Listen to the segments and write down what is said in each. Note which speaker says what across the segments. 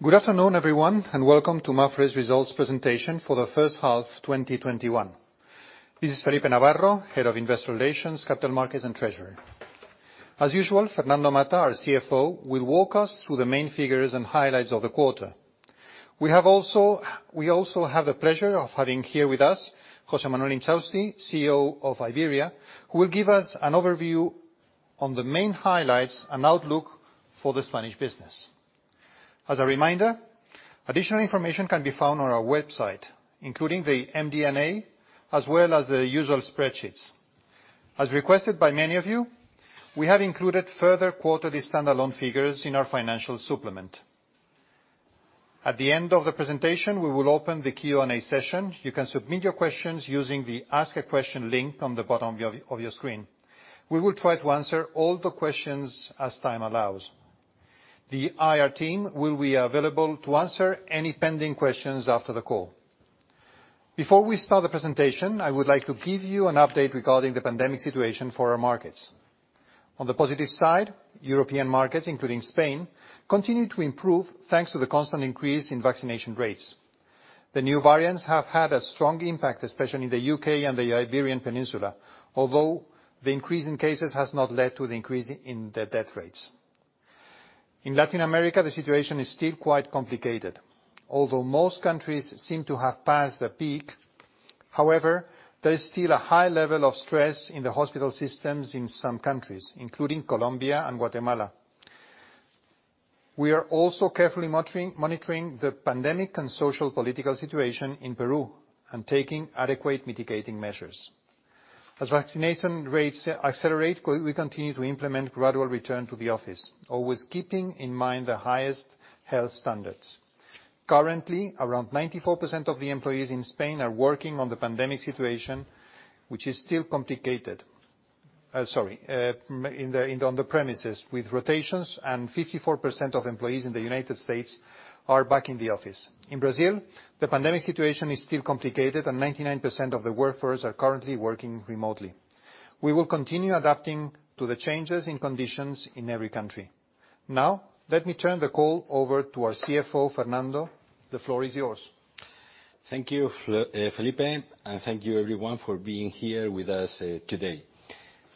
Speaker 1: Good afternoon, everyone, and welcome to Mapfre's results presentation for the first half 2021. This is Felipe Navarro, head of Investor Relations, Capital Markets, and Treasury. As usual, Fernando Mata, our CFO, will walk us through the main figures and highlights of the quarter. We also have the pleasure of having here with us José Manuel Inchausti, CEO of Iberia, who will give us an overview on the main highlights and outlook for the Spanish business. As a reminder, additional information can be found on our website, including the MD&A, as well as the usual spreadsheets. As requested by many of you, we have included further quarterly standalone figures in our financial supplement. At the end of the presentation, we will open the Q&A session. You can submit your questions using the Ask a Question link on the bottom of your screen. We will try to answer all the questions as time allows. The IR team will be available to answer any pending questions after the call. Before we start the presentation, I would like to give you an update regarding the pandemic situation for our markets. On the positive side, European markets, including Spain, continue to improve thanks to the constant increase in vaccination rates. The new variants have had a strong impact, especially in the U.K. and the Iberian Peninsula. Although, the increase in cases has not led to the increase in the death rates. In Latin America, the situation is still quite complicated, although most countries seem to have passed the peak. However, there is still a high level of stress in the hospital systems in some countries, including Colombia and Guatemala. We are also carefully monitoring the pandemic and sociopolitical situation in Peru, and taking adequate mitigating measures. As vaccination rates accelerate, we continue to implement gradual return to the office, always keeping in mind the highest health standards. Currently, around 94% of the employees in Spain are working on the premises, with rotations, and 54% of employees in the U.S. are back in the office. In Brazil, the pandemic situation is still complicated and 99% of the workforce are currently working remotely. We will continue adapting to the changes in conditions in every country. Let me turn the call over to our CFO, Fernando. The floor is yours.
Speaker 2: Thank you, Felipe, and thank you everyone for being here with us today.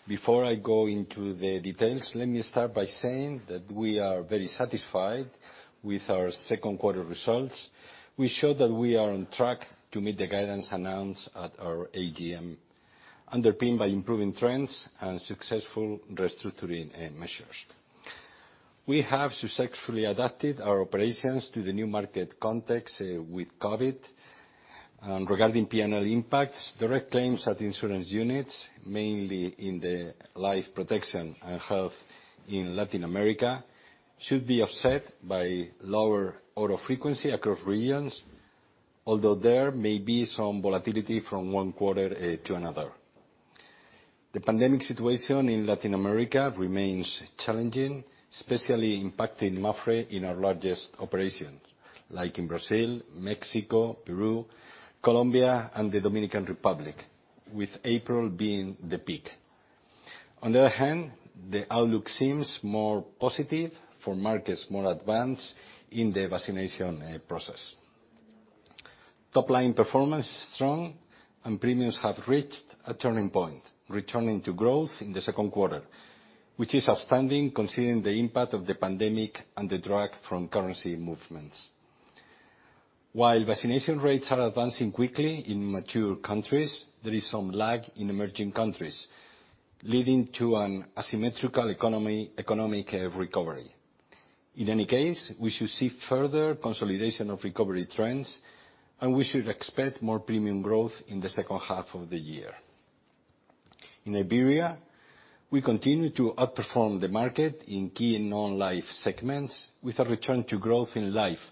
Speaker 2: Before I go into the details, let me start by saying that we are very satisfied with our second quarter results. We show that we are on track to meet the guidance announced at our AGM, underpinned by improving trends and successful restructuring measures. We have successfully adapted our operations to the new market context with COVID. Regarding P&L impacts, direct claims at insurance units, mainly in the life protection and health in Latin America, should be offset by lower auto frequency across regions, although there may be some volatility from one quarter to another. The pandemic situation in Latin America remains challenging, especially impacting Mapfre in our largest operations, like in Brazil, Mexico, Peru, Colombia, and the Dominican Republic, with April being the peak. On the other hand, the outlook seems more positive for markets more advanced in the vaccination process. Top-line performance is strong and premiums have reached a turning point, returning to growth in the second quarter, which is outstanding considering the impact of the pandemic and the drag from currency movements. While vaccination rates are advancing quickly in mature countries, there is some lag in emerging countries, leading to an asymmetrical economic recovery. In any case, we should see further consolidation of recovery trends, and we should expect more premium growth in the second half of the year. In Iberia, we continue to outperform the market in key non-life segments with a return to growth in Life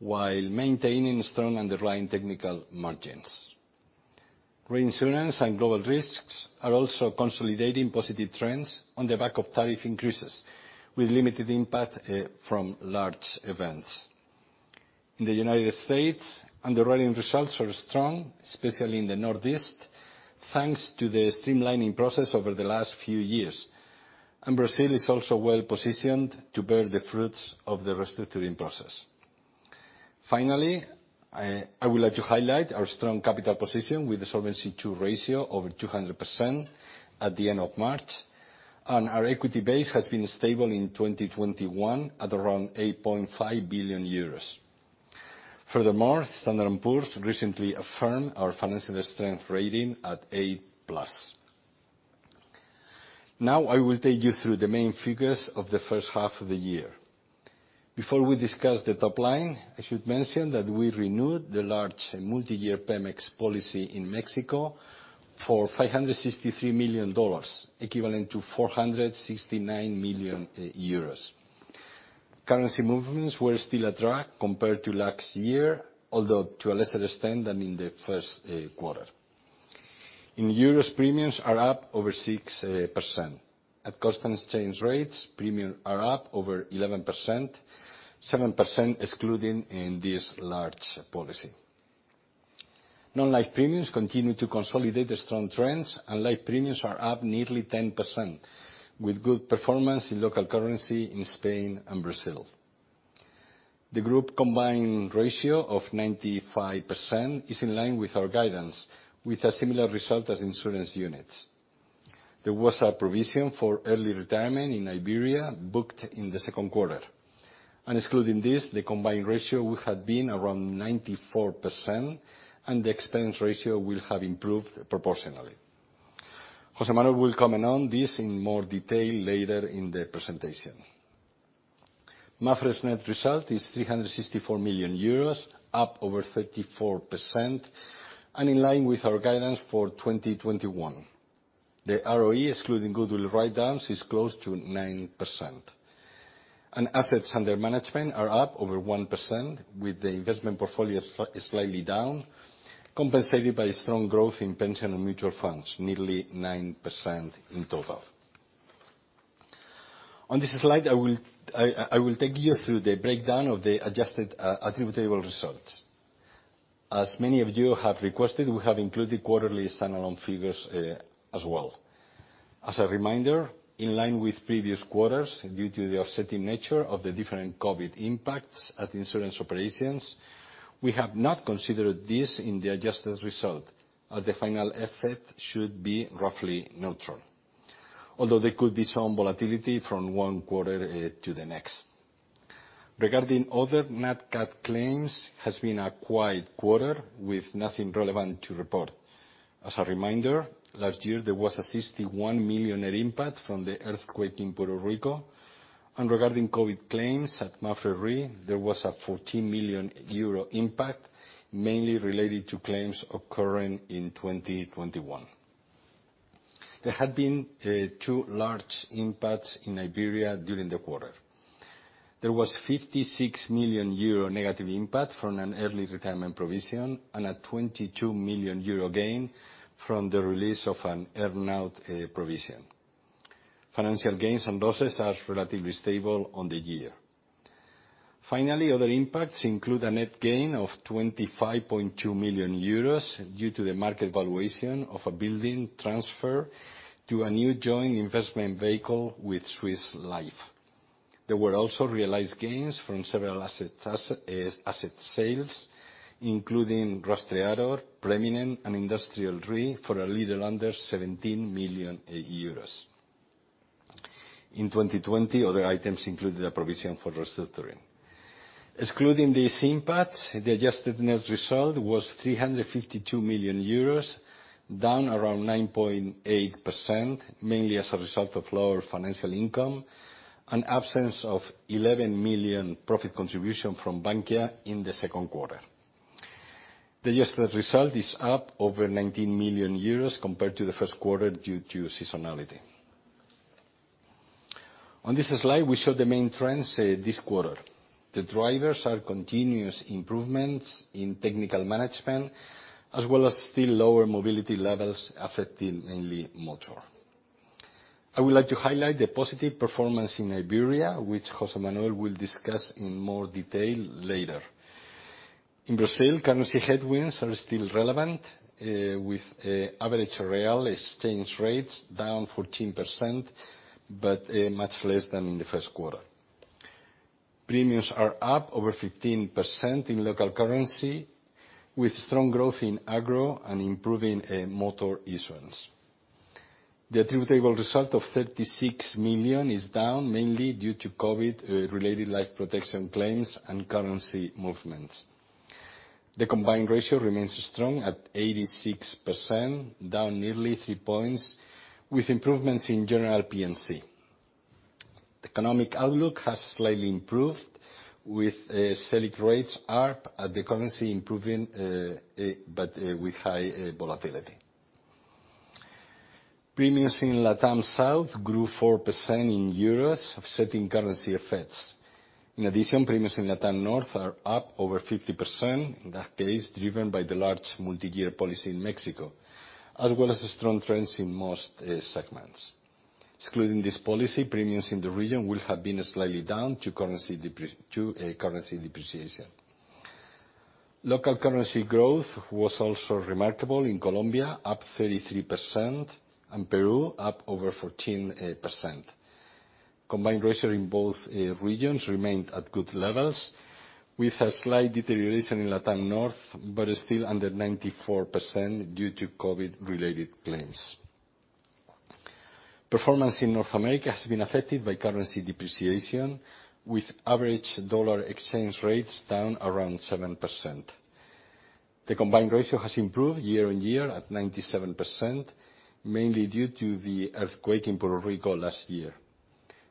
Speaker 2: while maintaining strong underlying technical margins. Reinsurance and Global Risks are also consolidating positive trends on the back of tariff increases, with limited impact from large events. In the U.S., underlying results are strong, especially in the Northeast, thanks to the streamlining process over the last few years. Brazil is also well-positioned to bear the fruits of the restructuring process. Finally, I would like to highlight our strong capital position with the Solvency II ratio over 200% at the end of March, and our equity base has been stable in 2021 at around 8.5 billion euros. Furthermore, Standard & Poor's recently affirmed our financial strength rating at A+. I will take you through the main figures of the first half of the year. Before we discuss the top line, I should mention that we renewed the large multi-year Pemex policy in Mexico for $563 million, equivalent to 469 million euros. Currency movements were still a drag compared to last year, although to a lesser extent than in the first quarter. In EUR, premiums are up over 6%. At constant exchange rates, premiums are up over 11%, 7% excluding in this large policy. Non-life premiums continue to consolidate the strong trends, and life premiums are up nearly 10%, with good performance in local currency in Spain and Brazil. The group combined ratio of 95% is in line with our guidance, with a similar result as insurance units. There was a provision for early retirement in Iberia booked in the second quarter. Excluding this, the combined ratio would have been around 94%, and the expense ratio will have improved proportionally. José Manuel will comment on this in more detail later in the presentation. Mapfre's net result is EUR 364 million, up over 34% and in line with our guidance for 2021. The ROE excluding goodwill write-downs is close to 9%. Assets under management are up over 1%, with the investment portfolio slightly down, compensated by strong growth in pension and mutual funds, nearly 9% in total. On this slide, I will take you through the breakdown of the adjusted attributable results. As many of you have requested, we have included quarterly standalone figures as well. As a reminder, in line with previous quarters, due to the offsetting nature of the different COVID impacts at insurance operations, we have not considered this in the adjusted result as the final effect should be roughly neutral, although there could be some volatility from one quarter to the next. Regarding other net CAT claims, has been a quiet quarter with nothing relevant to report. As a reminder, last year there was a 61 million net impact from the earthquake in Puerto Rico. Regarding COVID claims at Mapfre Re, there was a 14 million euro impact, mainly related to claims occurring in 2021. There have been two large impacts in Iberia during the quarter. There was 56 million euro negative impact from an early retirement provision and a 22 million euro gain from the release of an earnout provision. Financial gains and losses are relatively stable on the year. Finally, other impacts include a net gain of 25.2 million euros due to the market valuation of a building transfer to a new joint investment vehicle with Swiss Life. There were also realized gains from several asset sales, including Rastreator, Preminen, and Industrial Re for a little under 17 million euros. In 2020, other items included a provision for restructuring. Excluding these impacts, the adjusted net result was 352 million euros, down around 9.8%, mainly as a result of lower financial income and absence of 11 million profit contribution from Bankia in the second quarter. The adjusted result is up over 19 million euros compared to the first quarter due to seasonality. On this slide, we show the main trends this quarter. The drivers are continuous improvements in technical management, as well as still lower mobility levels affecting mainly motor. I would like to highlight the positive performance in Iberia, which José Manuel Inchausti will discuss in more detail later. In Brazil, currency headwinds are still relevant, with average real exchange rates down 14%, but much less than in the first quarter. Premiums are up over 15% in local currency, with strong growth in agro and improving motor insurance. The attributable result of 36 million is down mainly due to COVID-related life protection claims and currency movements. The combined ratio remains strong at 86%, down nearly 3 points, with improvements in general P&C. The economic outlook has slightly improved with Selic rates up and the currency improving, with high volatility. Premiums in LATAM South grew 4% in EUR, offsetting currency effects. Premiums in LATAM North are up over 50%, in that case driven by the large multi-year policy in Mexico, as well as strong trends in most segments. Excluding this policy, premiums in the region will have been slightly down to currency depreciation. Local currency growth was also remarkable in Colombia, up 33%, and Peru up over 14%. Combined ratio in both regions remained at good levels, with a slight deterioration in LATAM North, but still under 94% due to COVID-related claims. Performance in North America has been affected by currency depreciation, with average dollar exchange rates down around 7%. The combined ratio has improved year on year at 97%, mainly due to the earthquake in Puerto Rico last year.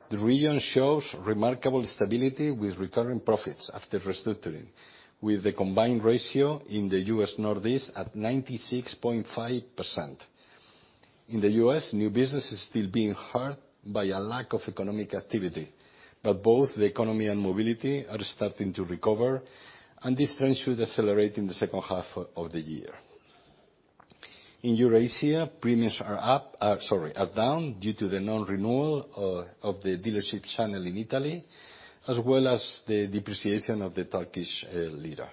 Speaker 2: The region shows remarkable stability with recurring profits after restructuring, with the combined ratio in the U.S. Northeast at 96.5%. In the U.S., new business is still being hurt by a lack of economic activity, but both the economy and mobility are starting to recover, and this trend should accelerate in the second half of the year. In Eurasia, premiums are down due to the non-renewal of the dealership channel in Italy, as well as the depreciation of the Turkish lira.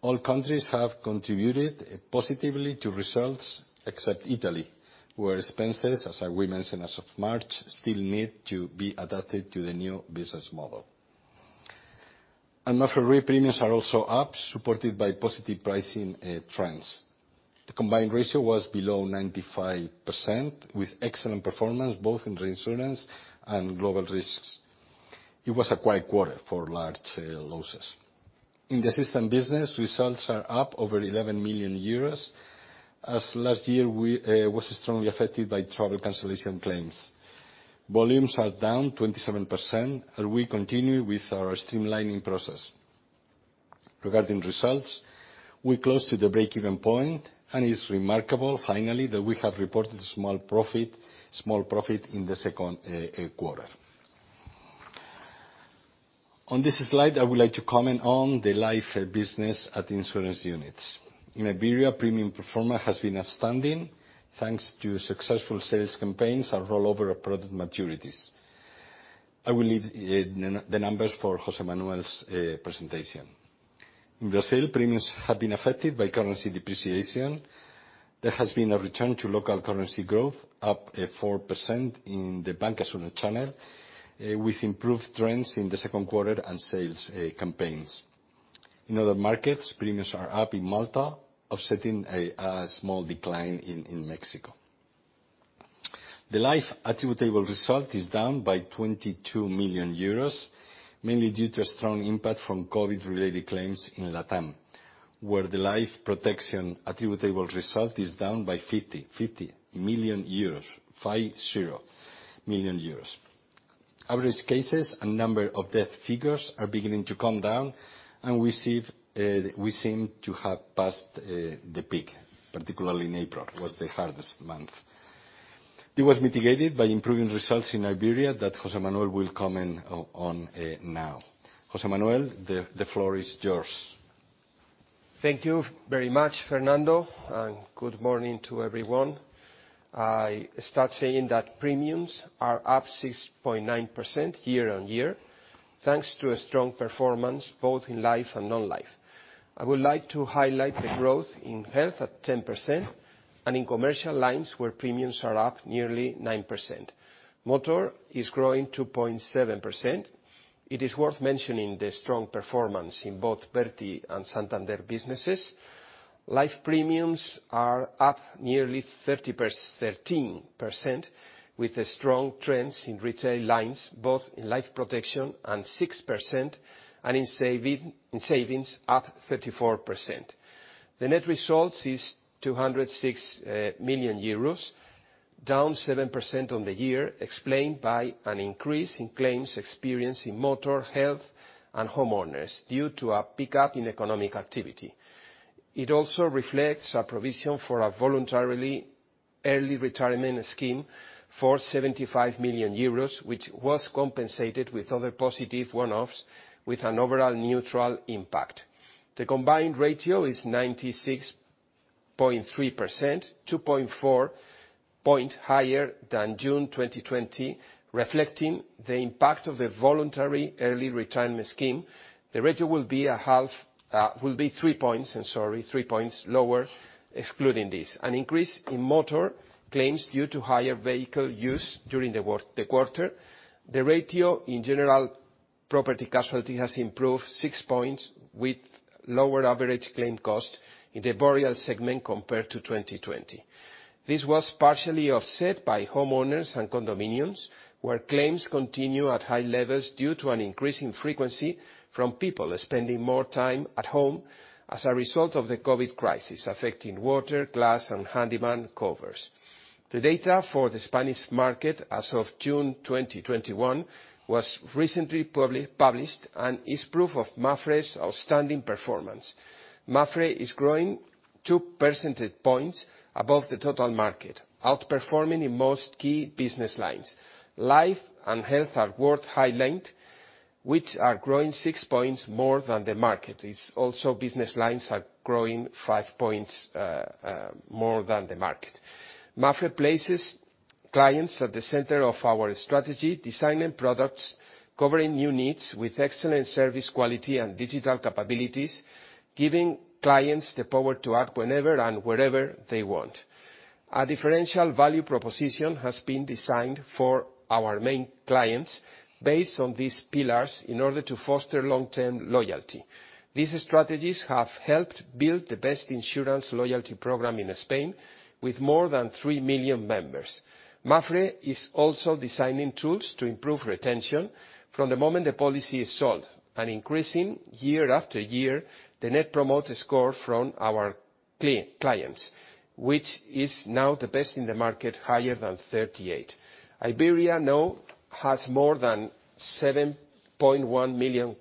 Speaker 2: All countries have contributed positively to results, except Italy, where expenses, as we mentioned as of March, still need to be adapted to the new business model. Mapfre premiums are also up, supported by positive pricing trends. The combined ratio was below 95%, with excellent performance both in reinsurance and global risks. It was a quiet quarter for large losses. In the assistance business, results are up over 11 million euros, as last year was strongly affected by travel cancellation claims. Volumes are down 27%. We continue with our streamlining process. Regarding results, we're close to the break-even point. It's remarkable, finally, that we have reported a small profit in the second quarter. On this slide, I would like to comment on the life business at insurance units. In Iberia, premium performance has been outstanding, thanks to successful sales campaigns and rollover of product maturities. I will leave the numbers for José Manuel's presentation. In Brazil, premiums have been affected by currency depreciation. There has been a return to local currency growth, up 4% in the Bancassurance channel, with improved trends in the second quarter and sales campaigns. In other markets, premiums are up in Malta, offsetting a small decline in Mexico. The life attributable result is down by 22 million euros, mainly due to a strong impact from COVID-related claims in LATAM, where the life protection attributable result is down by 50 million euros. Average cases and number of death figures are beginning to come down, and we seem to have passed the peak, particularly in April, was the hardest month. It was mitigated by improving results in Iberia that José Manuel will comment on now. José Manuel, the floor is yours.
Speaker 3: Thank you very much, Fernando, and good morning to everyone. I start saying that premiums are up 6.9% year on year, thanks to a strong performance, both in life and non-life. I would like to highlight the growth in health at 10%, and in commercial lines where premiums are up nearly 9%. Motor is growing 2.7%. It is worth mentioning the strong performance in both Verti and Santander businesses. Life premiums are up nearly 13%, with strong trends in retail lines, both in life protection and 6%, and in savings, up 34%. The net result is 206 million euros, down 7% on the year, explained by an increase in claims experienced in motor, health and homeowners due to a pickup in economic activity. It also reflects a provision for a voluntarily early retirement scheme for 75 million euros, which was compensated with other positive one-offs with an overall neutral impact. The combined ratio is 96.3%, 2.4 point higher than June 2020, reflecting the impact of the voluntary early retirement scheme. The ratio will be three points lower excluding this. An increase in motor claims due to higher vehicle use during the quarter. The ratio in general property casualty has improved 6 points with lower average claim cost in the Boreal segment compared to 2020. This was partially offset by homeowners and condominiums, where claims continue at high levels due to an increase in frequency from people spending more time at home as a result of the COVID crisis, affecting water, glass, and handyman covers. The data for the Spanish market as of June 2021 was recently published and is proof of Mapfre's outstanding performance. Mapfre is growing 2 percentage points above the total market, outperforming in most key business lines. Life and health are worth highlighting, which are growing 6 points more than the market is. Also, business lines are growing 5 points more than the market. Mapfre places clients at the center of our strategy, designing products, covering new needs with excellent service quality and digital capabilities, giving clients the power to act whenever and wherever they want. A differential value proposition has been designed for our main clients based on these pillars in order to foster long-term loyalty. These strategies have helped build the best insurance loyalty program in Spain with more than 3 million members. Mapfre is also designing tools to improve retention from the moment the policy is sold and increasing year after year the Net Promoter Score from our clients, which is now the best in the market, higher than 38. Iberia now has more than 7.1 million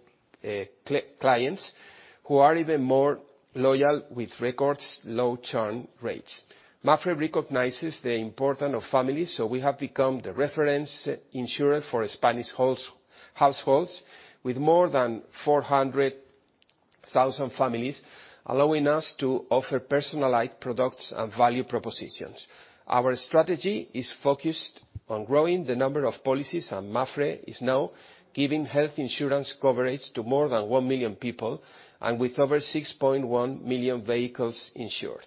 Speaker 3: clients who are even more loyal with records low churn rates. Mapfre recognizes the importance of families, so we have become the reference insurer for Spanish households, with more than 400,000 families allowing us to offer personalized products and value propositions. Our strategy is focused on growing the number of policies, and Mapfre is now giving health insurance coverage to more than 1 million people and with over 6.1 million vehicles insured.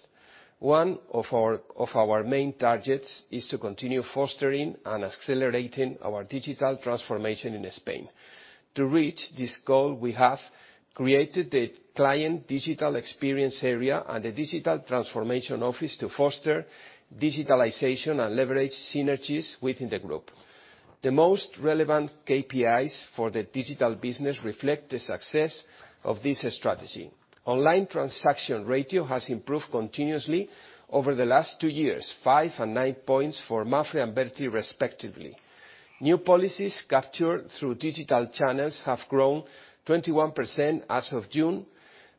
Speaker 3: One of our main targets is to continue fostering and accelerating our digital transformation in Spain. To reach this goal, we have created the Client Digital Experience Area and the Digital Transformation Office to foster digitalization and leverage synergies within the group. The most relevant KPIs for the digital business reflect the success of this strategy. Online transaction ratio has improved continuously over the last two years, 5 and 9 points for Mapfre and Verti respectively. New policies captured through digital channels have grown 21% as of June.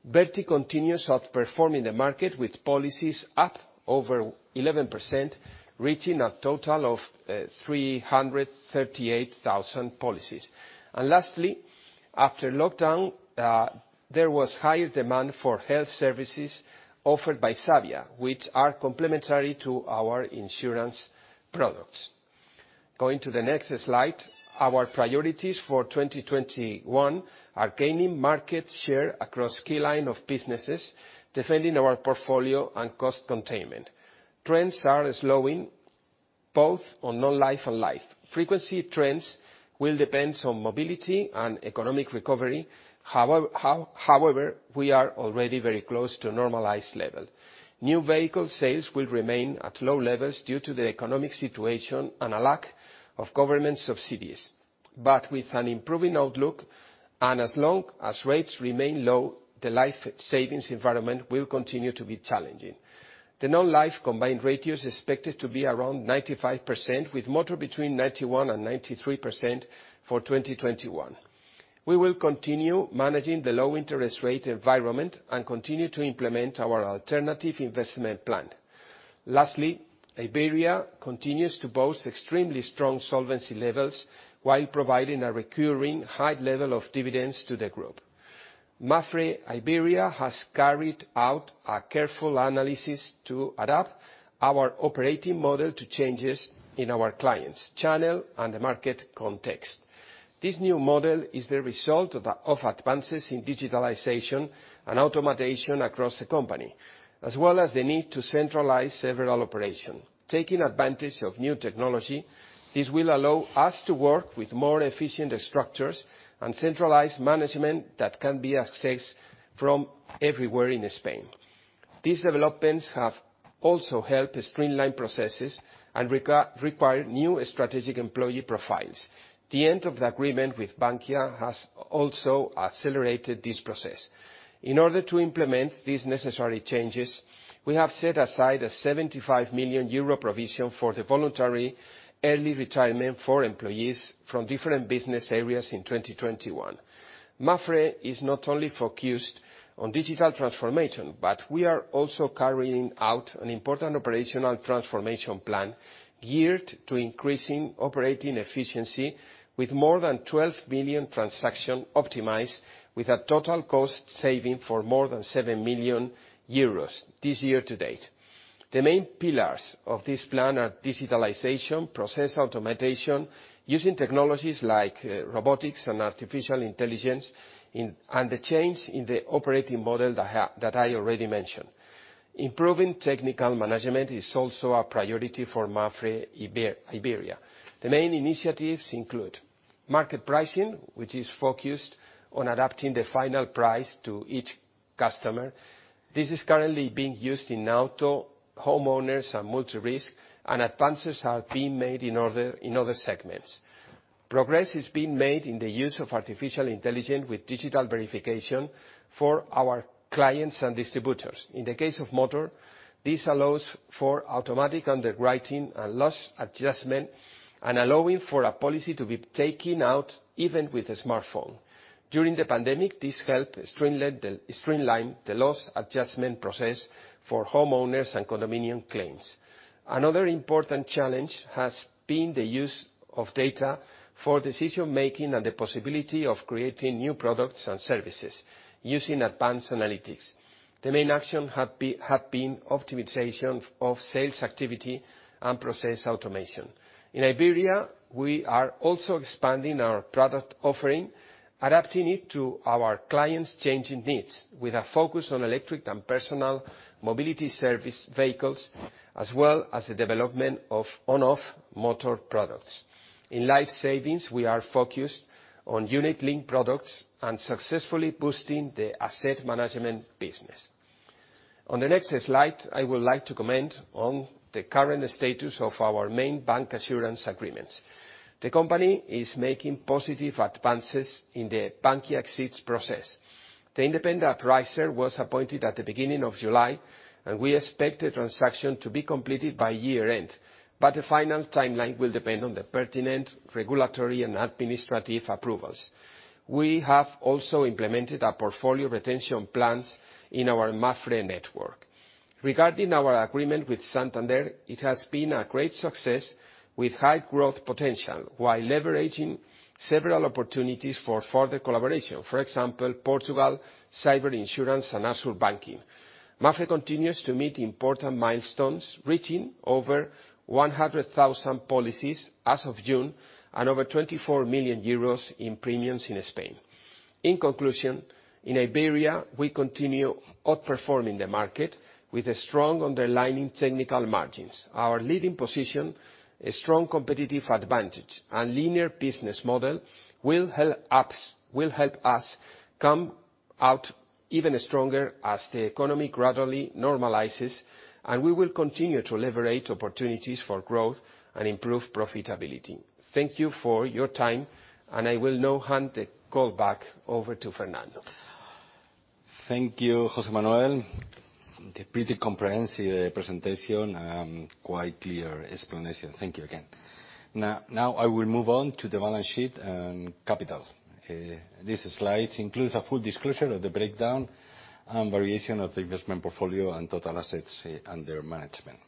Speaker 3: Verti continues outperforming the market, with policies up over 11%, reaching a total of 338,000 policies. Lastly, after lockdown, there was higher demand for health services offered by Savia, which are complementary to our insurance products. Going to the next slide. Our priorities for 2021 are gaining market share across key lines of business, defending our portfolio and cost containment. Trends are slowing both on non-life and life. Frequency trends will depend on mobility and economic recovery. We are already very close to normalized level. New vehicle sales will remain at low levels due to the economic situation and a lack of government subsidies. With an improving outlook and as long as rates remain low, the life savings environment will continue to be challenging. The non-life combined ratio is expected to be around 95%, with motor between 91%-93% for 2021. We will continue managing the low interest rate environment and continue to implement our alternative investment plan. Lastly, Iberia continues to boast extremely strong solvency levels while providing a recurring high level of dividends to the group. Mapfre Iberia has carried out a careful analysis to adapt our operating model to changes in our clients, channel, and the market context. This new model is the result of advances in digitalization and automation across the company, as well as the need to centralize several operations. Taking advantage of new technology, this will allow us to work with more efficient structures and centralized management that can be accessed from everywhere in Spain. These developments have also helped streamline processes and require new strategic employee profiles. The end of the agreement with Bankia has also accelerated this process. In order to implement these necessary changes, we have set aside a 75 million euro provision for the voluntary early retirement for employees from different business areas in 2021. Mapfre is not only focused on digital transformation, but we are also carrying out an important operational transformation plan geared to increasing operating efficiency with more than 12 million transactions optimized with a total cost saving for more than 7 million euros this year to date. The main pillars of this plan are digitalization, process automation using technologies like robotics and artificial intelligence, and the change in the operating model that I already mentioned. Improving technical management is also a priority for Mapfre Iberia. The main initiatives include market pricing, which is focused on adapting the final price to each customer. This is currently being used in auto, homeowners, and multi-risk, and advances are being made in other segments. Progress is being made in the use of artificial intelligence with digital verification for our clients and distributors. In the case of motor, this allows for automatic underwriting and loss adjustment and allowing for a policy to be taken out even with a smartphone. During the pandemic, this helped streamline the loss adjustment process for homeowners and condominium claims. Another important challenge has been the use of data for decision making and the possibility of creating new products and services using advanced analytics. The main action has been optimization of sales activity and process automation. In Iberia, we are also expanding our product offering, adapting it to our clients' changing needs, with a focus on electric and personal mobility service vehicles, as well as the development of on/off motor products. In life savings, we are focused on unit-linked products and successfully boosting the asset management business. On the next slide, I would like to comment on the current status of our main bancassurance agreements. The company is making positive advances in the Bankia exits process. The independent appraiser was appointed at the beginning of July. We expect the transaction to be completed by year-end, but the final timeline will depend on the pertinent regulatory and administrative approvals. We have also implemented our portfolio retention plans in our Mapfre network. Regarding our agreement with Santander, it has been a great success with high growth potential while leveraging several opportunities for further collaboration. For example, Portugal, cyber insurance, and open banking. Mapfre continues to meet important milestones, reaching over 100,000 policies as of June, and over 24 million euros in premiums in Spain. In conclusion, in Iberia, we continue outperforming the market with strong underlying technical margins. Our leading position, a strong competitive advantage, and linear business model will help us come out even stronger as the economy gradually normalizes, and we will continue to leverage opportunities for growth and improve profitability. Thank you for your time, and I will now hand the call back over to Fernando.
Speaker 2: Thank you, José Manuel. A pretty comprehensive presentation and quite clear explanation. Thank you again. Now, I will move on to the balance sheet and capital. These slides includes a full disclosure of the breakdown and variation of the investment portfolio and total assets under management.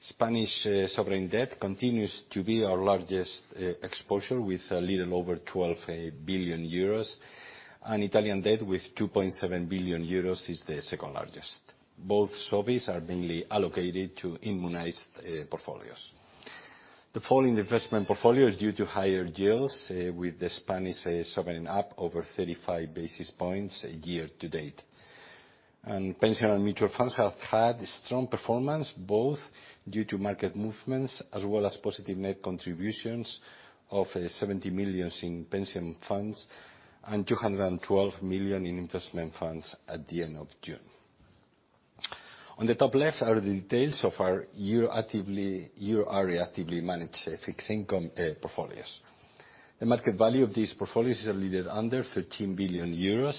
Speaker 2: Spanish sovereign debt continues to be our largest exposure with a little over 12 billion euros. Italian debt with 2.7 billion euros is the second largest. Both sovereigns are mainly allocated to immunized portfolios. The fall in investment portfolio is due to higher yields with the Spanish sovereign up over 35 basis points year-to-date. Pension and mutual funds have had strong performance, both due to market movements as well as positive net contributions of 70 million in pension funds and 212 million in investment funds at the end of June. On the top left are the details of our euro area actively managed fixed income portfolios. The market value of these portfolios is a little under 13 billion euros.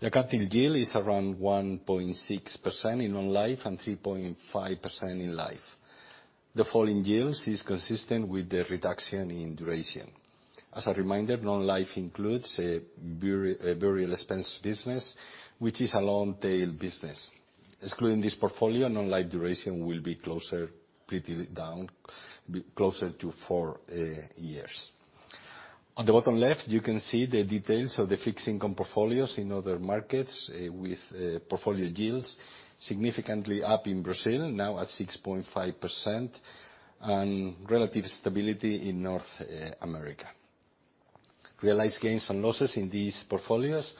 Speaker 2: The accounting yield is around 1.6% in non-life and 3.5% in life. The fall in yields is consistent with the reduction in duration. As a reminder, non-life includes a burial expense business, which is a long-tail business. Excluding this portfolio, non-life duration will be pretty down, closer to four years. On the bottom left, you can see the details of the fixed income portfolios in other markets with portfolio yields significantly up in Brazil, now at 6.5%, and relative stability in North America. Realized gains and losses in these portfolios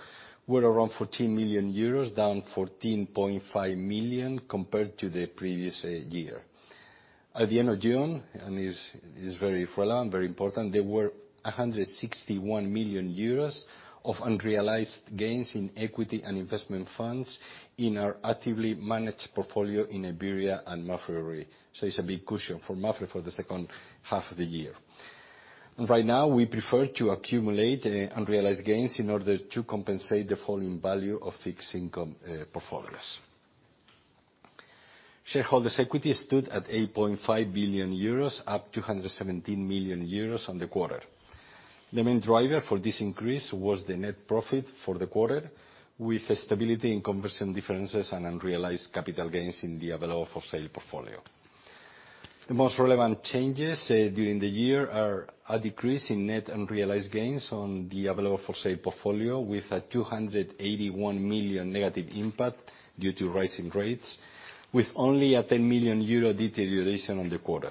Speaker 2: were around 14 million euros, down 14.5 million compared to the previous year. At the end of June, and this is very relevant, very important, there were 161 million euros of unrealized gains in equity and investment funds in our actively managed portfolio in Iberia and Mapfre. It's a big cushion for Mapfre for the second half of the year. Right now, we prefer to accumulate unrealized gains in order to compensate the fall in value of fixed income portfolios. Shareholders' equity stood at 8.5 billion euros, up 217 million euros on the quarter. The main driver for this increase was the net profit for the quarter, with stability in conversion differences and unrealized capital gains in the available for sale portfolio. The most relevant changes during the year are a decrease in net unrealized gains on the available for sale portfolio with a 281 million negative impact due to rising rates, with only a 10 million euro deterioration on the quarter.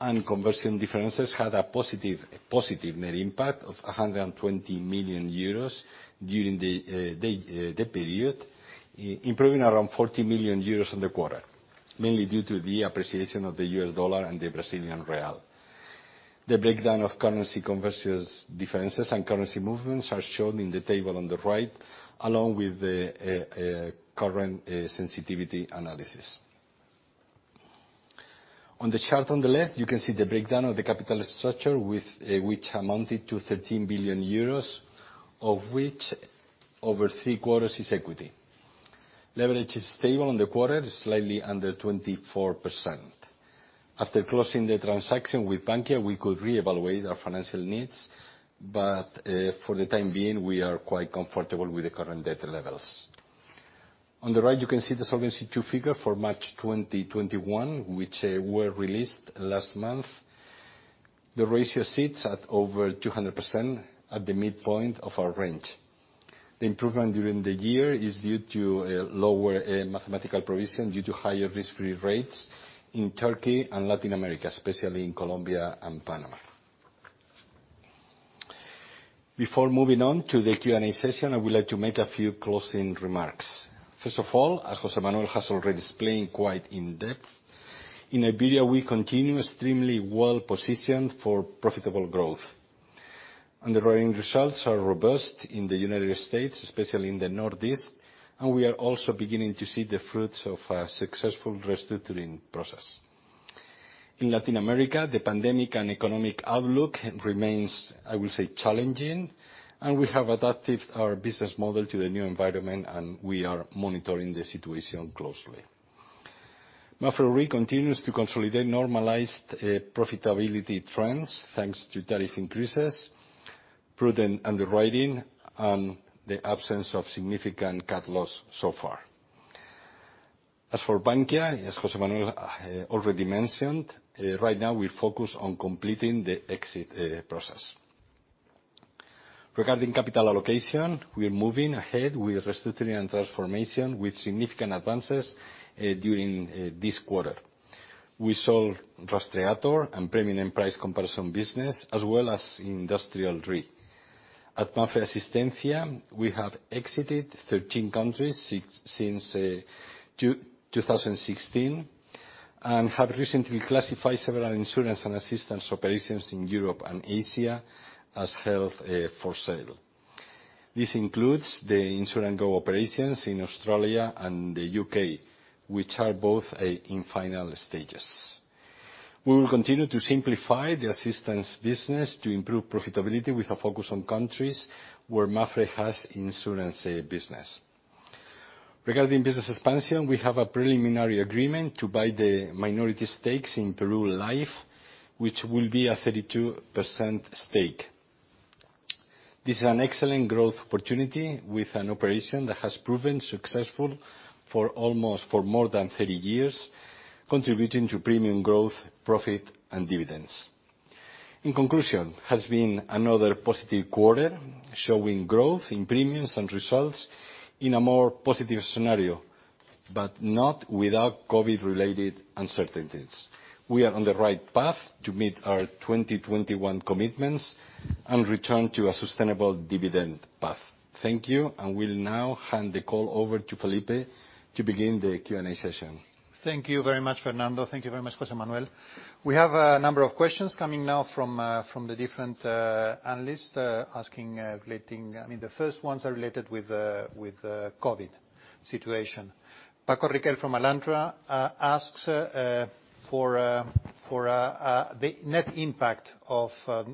Speaker 2: Conversion differences had a positive net impact of 120 million euros during the period, improving around 40 million euros in the quarter, mainly due to the appreciation of the US dollar and the Brazilian real. The breakdown of currency differences and currency movements are shown in the table on the right, along with the current sensitivity analysis. On the chart on the left, you can see the breakdown of the capital structure which amounted to 13 billion euros, of which over three quarters is equity. Leverage is stable on the quarter, slightly under 24%. After closing the transaction with Bankia, we could reevaluate our financial needs, but for the time being, we are quite comfortable with the current debt levels. On the right, you can see the Solvency II figure for March 2021, which were released last month. The ratio sits at over 200% at the midpoint of our range. The improvement during the year is due to a lower mathematical provision due to higher risk-free rates in Turkey and Latin America, especially in Colombia and Panama. Before moving on to the Q&A session, I would like to make a few closing remarks. First of all, as José Manuel Inchausti has already explained quite in depth, in Iberia, we continue extremely well-positioned for profitable growth. Underwriting results are robust in the United States, especially in the Northeast, and we are also beginning to see the fruits of a successful restructuring process. In Latin America, the pandemic and economic outlook remains, I will say, challenging. We have adapted our business model to the new environment. We are monitoring the situation closely. Mapfre Re continues to consolidate normalized profitability trends, thanks to tariff increases, prudent underwriting, and the absence of significant cat loss so far. For Bankia, as José Manuel already mentioned, right now we focus on completing the exit process. Regarding capital allocation, we are moving ahead with restructuring and transformation with significant advances during this quarter. We sold Rastreator and premium price comparison business, as well as Industrial Re. At Mapfre Asistencia, we have exited 13 countries since 2016 and have recently classified several insurance and assistance operations in Europe and Asia as held for sale. This includes the InsureandGo operations in Australia and the U.K., which are both in final stages. We will continue to simplify the assistance business to improve profitability with a focus on countries where Mapfre has insurance business. Regarding business expansion, we have a preliminary agreement to buy the minority stakes in Peru Life, which will be a 32% stake. This is an excellent growth opportunity with an operation that has proven successful for more than 30 years, contributing to premium growth, profit, and dividends. In conclusion, it has been another positive quarter, showing growth in premiums and results in a more positive scenario, but not without COVID-related uncertainties. We are on the right path to meet our 2021 commitments and return to a sustainable dividend path. Thank you, and I will now hand the call over to Felipe to begin the Q&A session.
Speaker 1: Thank you very much, Fernando. Thank you very much, José Manuel. We have a number of questions coming now from the different analysts. The first ones are related with the COVID situation. Francisco Riquel from Alantra asks for the net impact of,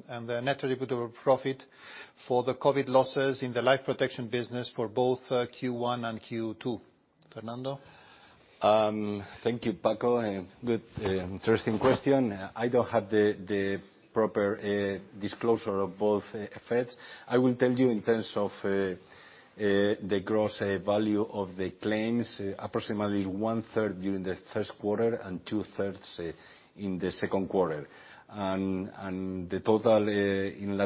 Speaker 1: and the net attributable profit for the COVID losses in the life protection business for both Q1 and Q2. Fernando?
Speaker 2: Thank you, Paco. Interesting question. I don't have the proper disclosure of both effects. I will tell you in terms of the gross value of the claims, approximately one-third during the first quarter and two-thirds in the second quarter. The total in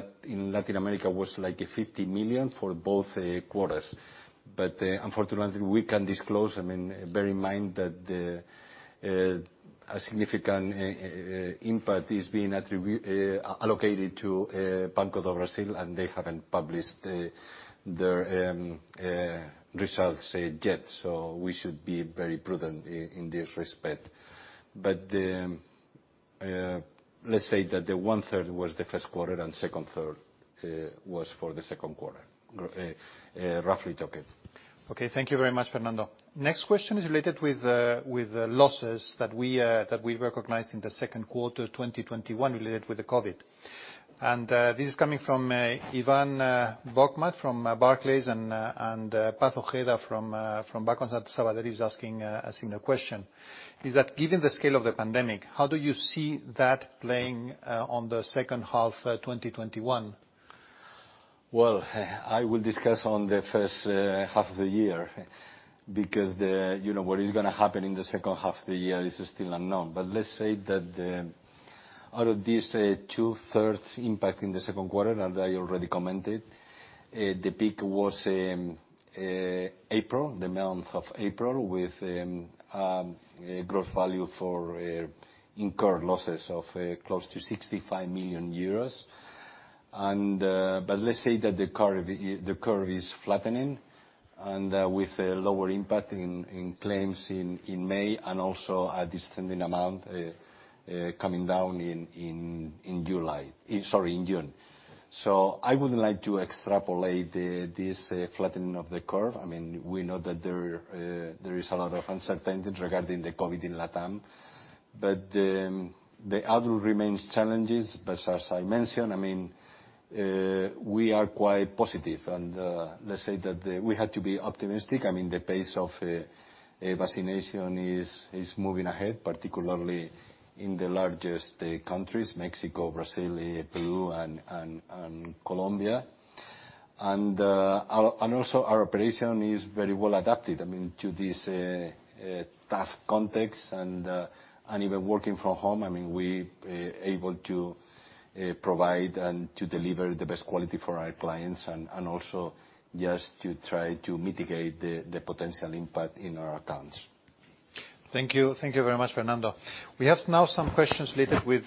Speaker 2: Latin America was like 50 million for both quarters. Unfortunately, we can't disclose. Bear in mind that a significant impact is being allocated to Banco do Brasil, and they haven't published their results yet. We should be very prudent in this respect. Let's say that the one-third was the first quarter and second third was for the second quarter, roughly talking.
Speaker 1: Okay. Thank you very much, Fernando. Next question is related with the losses that we recognized in the second quarter 2021 related with the COVID. This is coming from Ivan Bokhmat from Barclays and Francisco Ojeda from Banco Sabadell is asking a similar question. Is that given the scale of the pandemic, how do you see that playing on the second half 2021?
Speaker 2: Well, I will discuss on the first half of the year because what is going to happen in the second half of the year is still unknown. Let's say that out of this two-thirds impact in the second quarter, as I already commented, the peak was April, the month of April, with gross value for incurred losses of close to 65 million euros. Let's say that the curve is flattening and with a lower impact in claims in May and also a descending amount coming down in June. I would like to extrapolate this flattening of the curve. We know that there is a lot of uncertainties regarding the COVID in LATAM, but the outlook remains challenging. As I mentioned, we are quite positive, and let's say that we had to be optimistic. The pace of vaccination is moving ahead, particularly in the largest countries, Mexico, Brazil, Peru, and Colombia. Also, our operation is very well adapted to this tough context and even working from home, we are able to provide and to deliver the best quality for our clients and also just to try to mitigate the potential impact in our accounts.
Speaker 1: Thank you. Thank you very much, Fernando. We have now some questions related with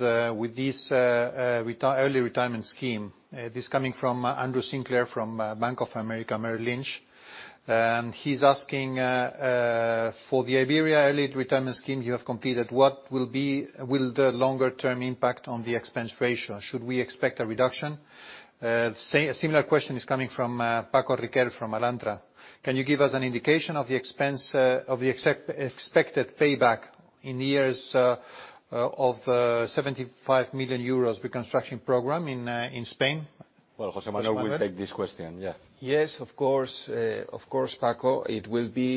Speaker 1: this early retirement scheme. This coming from Andrew Sinclair from Bank of America Merrill Lynch. He's asking: for the Iberia early retirement scheme you have completed, what will the longer term impact on the expense ratio? Should we expect a reduction? A similar question is coming from Francisco Riquel from Alantra. Can you give us an indication of the expense of the expected payback in the years of 75 million euros reconstruction program in Spain?
Speaker 2: Well, José Manuel will take this question. Yeah.
Speaker 3: Yes, of course. Of course, Paco. It will be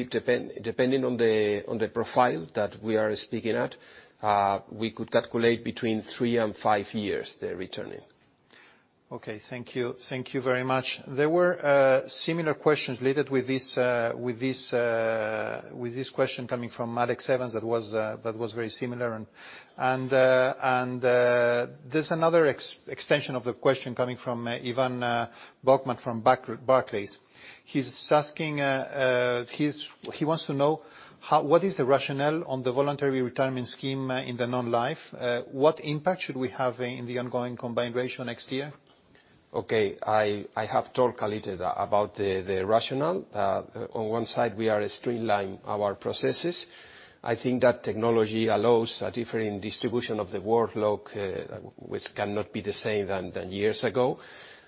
Speaker 3: dependent on the profile that we are speaking at. We could calculate between three and five years, the returning.
Speaker 1: Okay. Thank you. Thank you very much. There were similar questions related with this question coming from Alexander Evans that was very similar. There's another extension of the question coming from Ivan Bokhmat from Barclays. He wants to know what is the rationale on the voluntary retirement scheme in the non-life? What impact should we have in the ongoing combined ratio next year?
Speaker 2: Okay. I have talked a little about the rationale. On one side, we are streamline our processes. I think that technology allows a different distribution of the workload, which cannot be the same than years ago.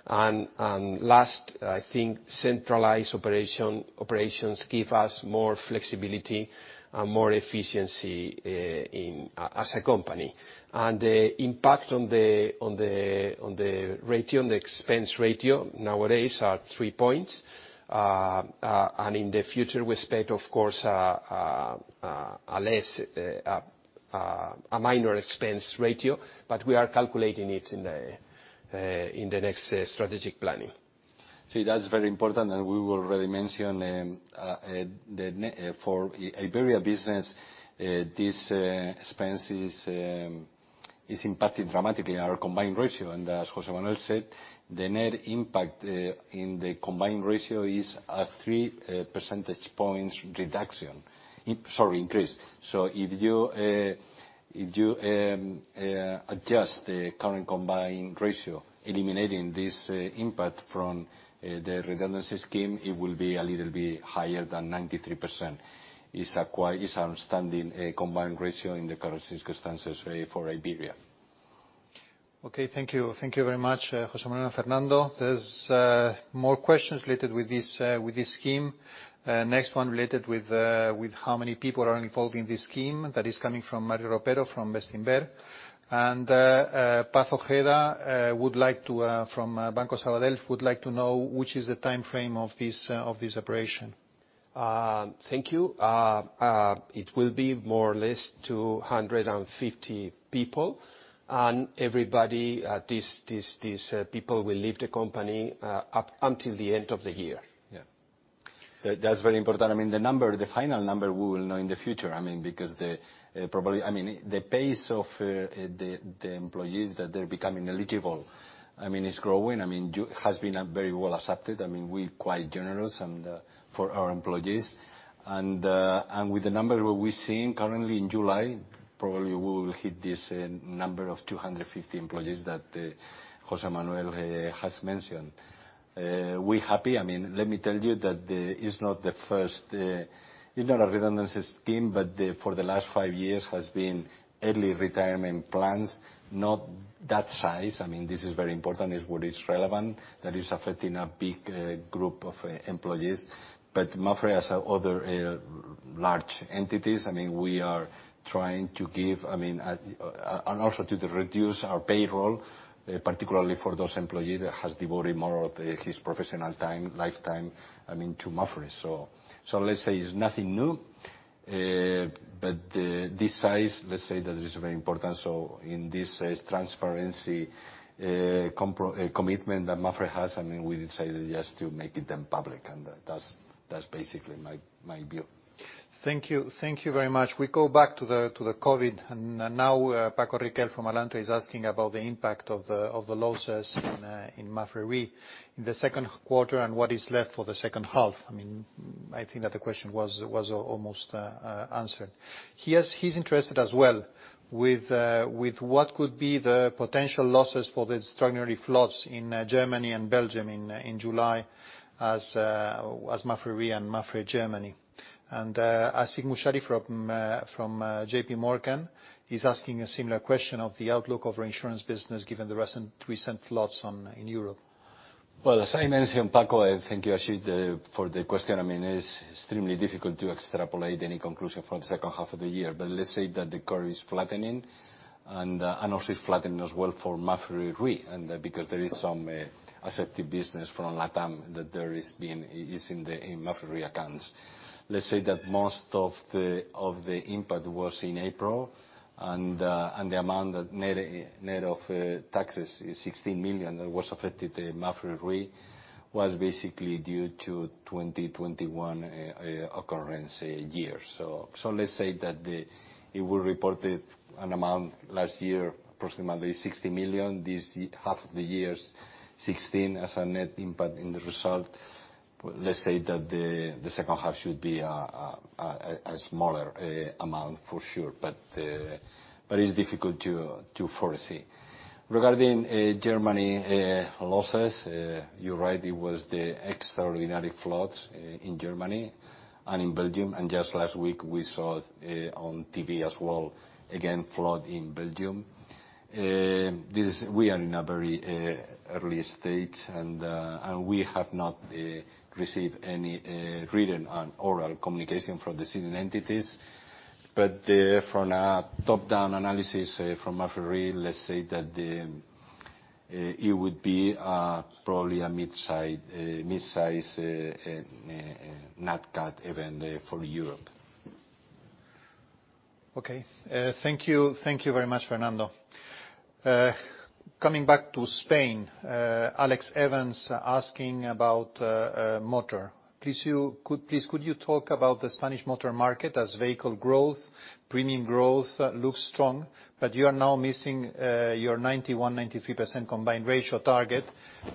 Speaker 2: Last, I think centralized operations give us more flexibility and more efficiency as a company. The impact on the expense ratio nowadays are 3 points. In the future, we expect, of course, a minor expense ratio, but we are calculating it in the next strategic planning. That's very important, and we will already mention, for Iberia business, this expense is impacting dramatically our combined ratio. As José Manuel said, the net impact in the combined ratio is a 3 percentage points increase. If you adjust the current combined ratio, eliminating this impact from the redundancy scheme, it will be a little bit higher than 93%. It's outstanding combined ratio in the current circumstances for Iberia.
Speaker 1: Okay, thank you. Thank you very much, José Manuel, Fernando. There's more questions related with this scheme. Next one related with how many people are involved in this scheme. That is coming from Mario Ropero from Bestinver. Francisco Ojeda from Banco Sabadell would like to know which is the timeframe of this operation.
Speaker 3: Thank you. It will be more or less 250 people, everybody, these people will leave the company up until the end of the year.
Speaker 2: Yeah. That's very important. The final number, we will know in the future, because the pace of the employees that they're becoming eligible is growing. It has been very well accepted. We're quite generous for our employees. With the numbers what we're seeing currently in July, probably we will hit this number of 250 employees that José Manuel has mentioned. We're happy. Let me tell you that it's not a redundancy scheme, but for the last five years has been early retirement plans, not that size. This is very important, is what is relevant, that is affecting a big group of employees. Mapfre, as other large entities, we are trying to give, and also to reduce our payroll, particularly for those employee that has devoted more of his professional time, lifetime, to Mapfre. Let's say it's nothing new. This size, let's say that it is very important. In this transparency commitment that Mapfre has, we decided, yes, to make it then public. That's basically my view.
Speaker 1: Thank you. Thank you very much. We go back to the COVID. Now Francisco Riquel from Alantra is asking about the impact of the losses in Mapfre in the second quarter, and what is left for the second half. I think that the question was almost answered. He's interested as well with what could be the potential losses for the extraordinary floods in Germany and Belgium in July as Mapfre and Mapfre Germany. Ashik Musaddi from JPMorgan, he's asking a similar question of the outlook of reinsurance business given the recent floods in Europe.
Speaker 2: Well, as I mentioned, Paco, thank you, Ashik, for the question. It's extremely difficult to extrapolate any conclusion from the second half of the year. Let's say that the curve is flattening and also flattening as well for Mapfre Re, because there is some accepted business from LATAM that is in the Mapfre Re accounts. Let's say that most of the impact was in April, the amount net of taxes, 16 million that was affected Mapfre Re was basically due to 2021 occurrence year. Let's say that it will report an amount last year, approximately 60 million. This half of the years, 16 as a net impact in the result. Let's say that the second half should be a smaller amount for sure. It's difficult to foresee. Regarding Germany losses, you're right, it was the extraordinary floods in Germany and in Belgium. Just last week we saw on TV as well, again, flood in Belgium. We are in a very early stage. We have not received any written and oral communication from the senior entities. From a top-down analysis from Mapfre, let's say that it would be probably a midsize Nat Cat event for Europe.
Speaker 1: Okay. Thank you. Thank you very much, Fernando. Coming back to Spain, Alexander Evans asking about motor. Please could you talk about the Spanish motor market as vehicle growth, premium growth looks strong, but you are now missing your 91%-93% combined ratio target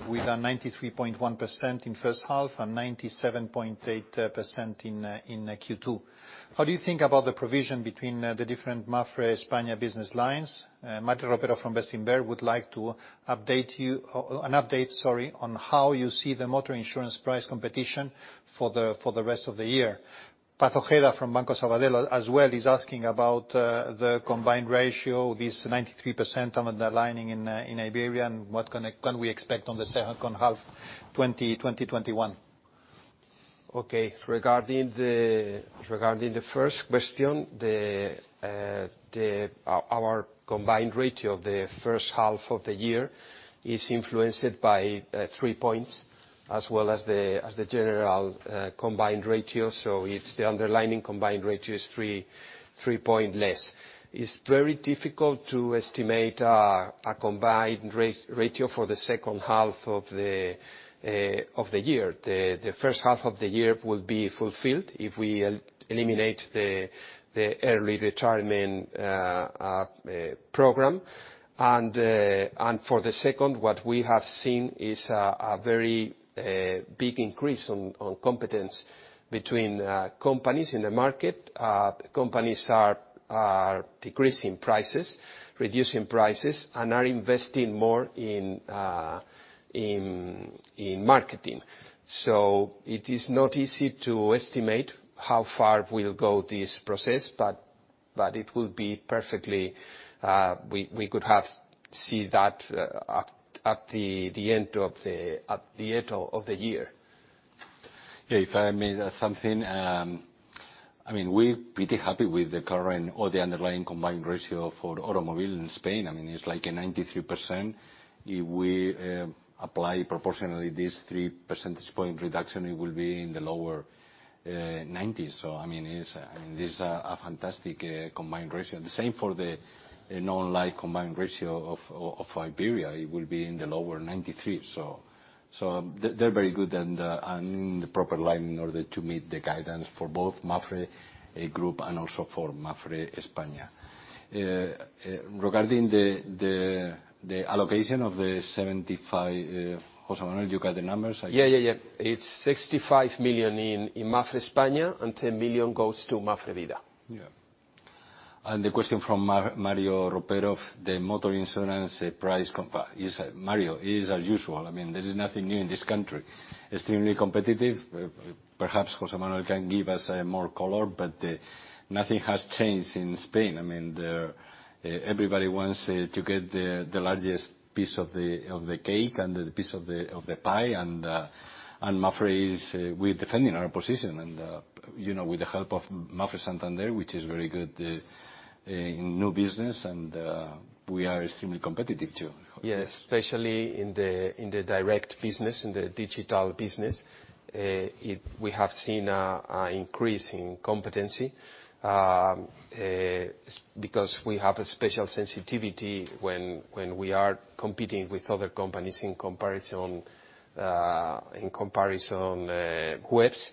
Speaker 1: with a 93.1% in first half and 97.8% in Q2. How do you think about the provision between the different MAPFRE España business lines? Mario Ropero from Bestinver would like an update on how you see the motor insurance price competition for the rest of the year. Francisco Ojeda from Banco Sabadell as well is asking about the combined ratio, this 93% underlining in Iberia, and what can we expect on the second half 2021.
Speaker 3: Okay. Regarding the first question, our combined ratio of the first half of the year is influenced by 3 points as well as the general combined ratio. The underlying combined ratio is 3 points less. It is very difficult to estimate a combined ratio for the second half of the year. The first half of the year will be fulfilled if we eliminate the early retirement program. For the second, what we have seen is a very big increase on competition between companies in the market. Companies are decreasing prices, reducing prices, and are investing more in marketing. It is not easy to estimate how far will go this process, but we could see that at the end of the year.
Speaker 2: Yeah, if I may add something. We're pretty happy with the current or the underlying combined ratio for automobile in Spain. It's like a 93%. If we apply proportionally this 3 percentage point reduction, it will be in the lower 90. This is a fantastic combined ratio. The same for the non-life combined ratio of Iberia, it will be in the lower 93. They're very good and in the proper line in order to meet the guidance for both Mapfre Group and also for Mapfre España. Regarding the allocation of the 75, José Manuel, you got the numbers?
Speaker 3: Yeah. It's 65 million in Mapfre España and 10 million goes to Mapfre Vida.
Speaker 2: The question from Mario Ropero, the motor insurance price. Mario, it is as usual. There is nothing new in this country. Extremely competitive. Perhaps José Manuel can give us more color, nothing has changed in Spain. Everybody wants to get the largest piece of the cake and the piece of the pie, Mapfre, we're defending our position. With the help of Mapfre Santander, which is very good in new business, we are extremely competitive, too.
Speaker 3: Yes, especially in the direct business, in the digital business. We have seen an increase in competition because we have a special sensitivity when we are competing with other companies in comparison webs.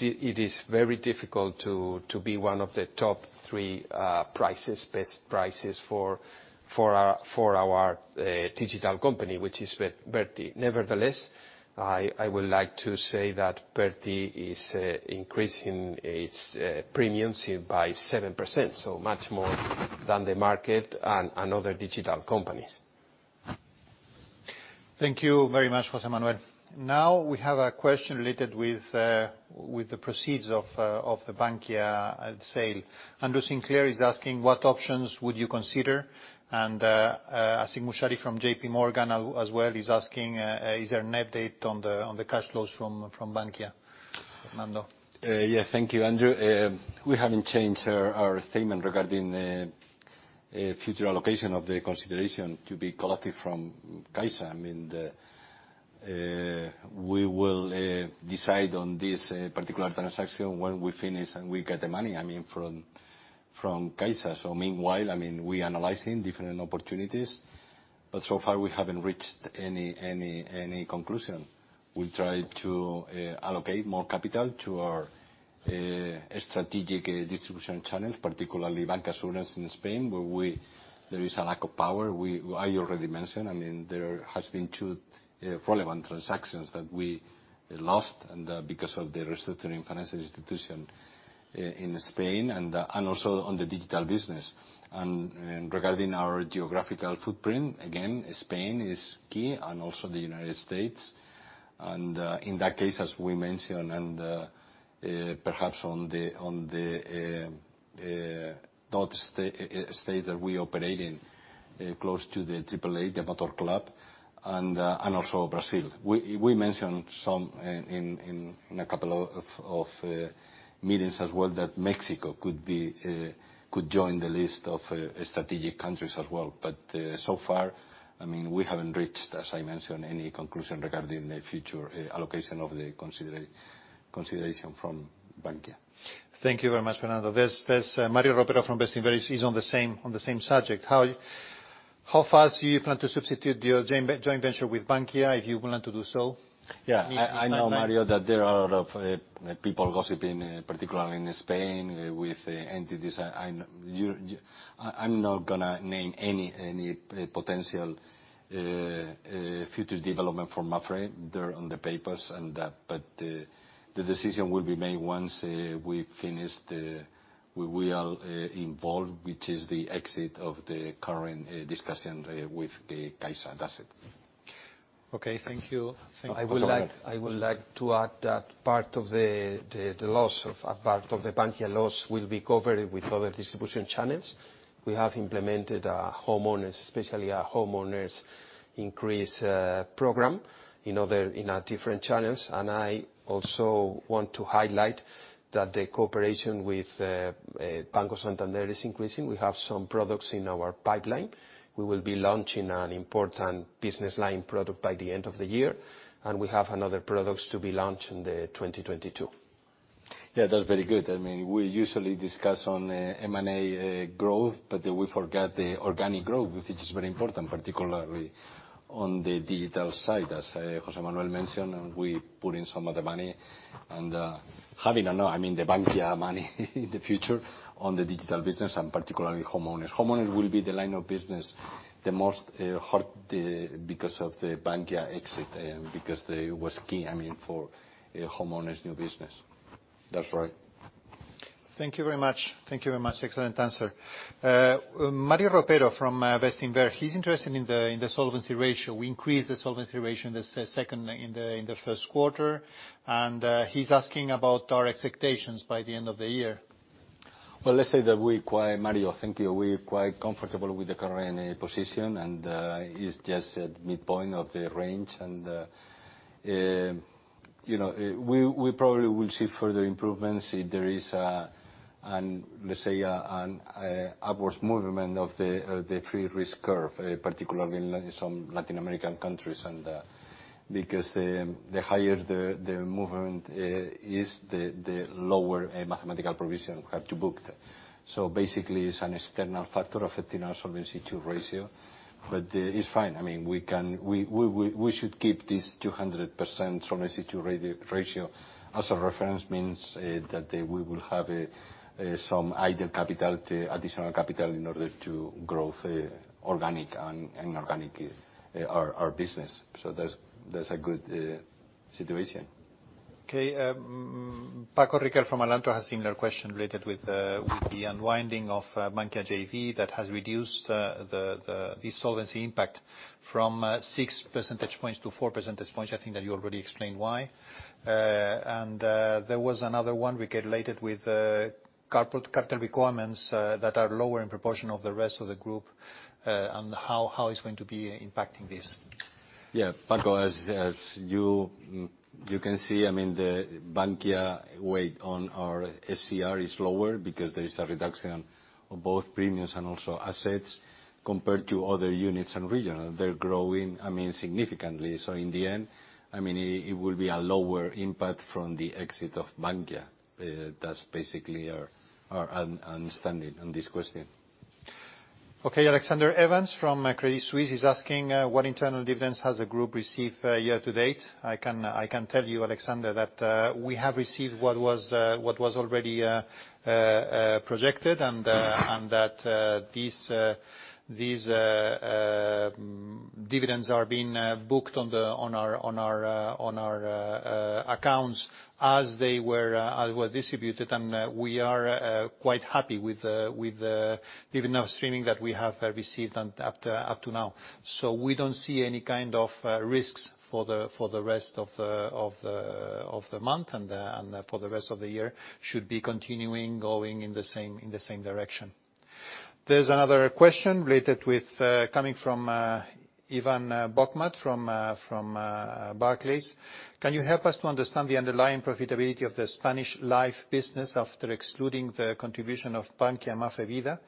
Speaker 3: It is very difficult to be one of the top three best prices for our digital company, which is Verti. Nevertheless, I would like to say that Verti is increasing its premiums by 7%, so much more than the market and other digital companies.
Speaker 1: Thank you very much, José Manuel. We have a question related with the proceeds of the Bankia sale. Andrew Sinclair is asking, what options would you consider? Ashik Musaddi from JPMorgan as well is asking, is there an update on the cash flows from Bankia? Fernando?
Speaker 2: Thank you, Andrew. We haven't changed our statement regarding future allocation of the consideration to be collected from CaixaBank. We will decide on this particular transaction when we finish and we get the money from CaixaBank. Meanwhile, we're analyzing different opportunities, but so far we haven't reached any conclusion. We try to allocate more capital to our strategic distribution channels, particularly Bancassurance in Spain, where there is a lack of power. I already mentioned, there has been two relevant transactions that we lost because of the regulatory financial institution in Spain and also on the digital business. Regarding our geographical footprint, again, Spain is key and also the United States. In that case, as we mentioned, perhaps Those states that we operate in close to the AAA, the Motor Club, and also Brazil. We mentioned in a couple of meetings as well that Mexico could join the list of strategic countries as well. So far, we haven't reached, as I mentioned, any conclusion regarding the future allocation of the consideration from Bankia.
Speaker 1: Thank you very much, Fernando. There's Mario Ropero from Bestinver. He's on the same subject. How fast do you plan to substitute your joint venture with Bankia, if you plan to do so?
Speaker 2: Yeah, I know, Mario, that there are a lot of people gossiping, particularly in Spain, with entities. I'm not going to name any potential future development for Mapfre. They're on the papers. The decision will be made once we finish what we are involved, which is the exit of the current discussion with the CaixaBank. That's it.
Speaker 1: Okay. Thank you.
Speaker 3: I would like to add that part of the Bankia loss will be covered with other distribution channels. We have implemented, especially, a homeowners increase program in our different channels. I also want to highlight that the cooperation with Banco Santander is increasing. We have some products in our pipeline. We will be launching an important business line product by the end of the year, and we have another product to be launched in 2022.
Speaker 2: Yeah, that's very good. We usually discuss on M&A growth, we forget the organic growth, which is very important, particularly on the digital side. As José Manuel mentioned, we put in some of the money, having the Bankia money in the future on the digital business and particularly homeowners. Homeowners will be the line of business the most hurt because of the Bankia exit, it was key for homeowners' new business.
Speaker 3: That's right.
Speaker 1: Thank you very much. Excellent answer. Mario Ropero from Bestinver, he's interested in the solvency ratio. We increased the solvency ratio in the first quarter, and he's asking about our expectations by the end of the year.
Speaker 2: Well, let's say that we're quite, Mario, thank you. We're quite comfortable with the current position, and it's just at midpoint of the range. We probably will see further improvements if there is, let's say, an upwards movement of the free risk curve, particularly in some Latin American countries. The higher the movement is, the lower mathematical provision we have to book. Basically, it's an external factor affecting our Solvency II ratio. It's fine. We should keep this 200% Solvency II ratio as a reference. Means that we will have some additional capital in order to grow organic and inorganic our business. That's a good situation.
Speaker 1: Okay. Paco Riquel from Alantra has similar question related with the unwinding of Bankia JV that has reduced the solvency impact from six percentage points to four percentage points. I think that you already explained why. There was another one related with capital requirements that are lower in proportion of the rest of the group, and how it's going to be impacting this.
Speaker 2: Yeah. Paco, as you can see, the Bankia weight on our SCR is lower because there is a reduction on both premiums and also assets compared to other units and regions. They're growing significantly. In the end, it will be a lower impact from the exit of Bankia. That's basically our understanding on this question.
Speaker 1: Okay. Alexander Evans from Credit Suisse is asking what internal dividends has the group received year to date. I can tell you, Alexander, that we have received what was already projected, and that these dividends are being booked on our accounts as they were distributed. We are quite happy with the dividend streaming that we have received up to now. We don't see any kind of risks for the rest of the month and for the rest of the year. Should be continuing going in the same direction. There's another question coming from Ivan Bokhmat from Barclays. Can you help us to understand the underlying profitability of the Spanish life business after excluding the contribution of Bankia Mapfre Vida?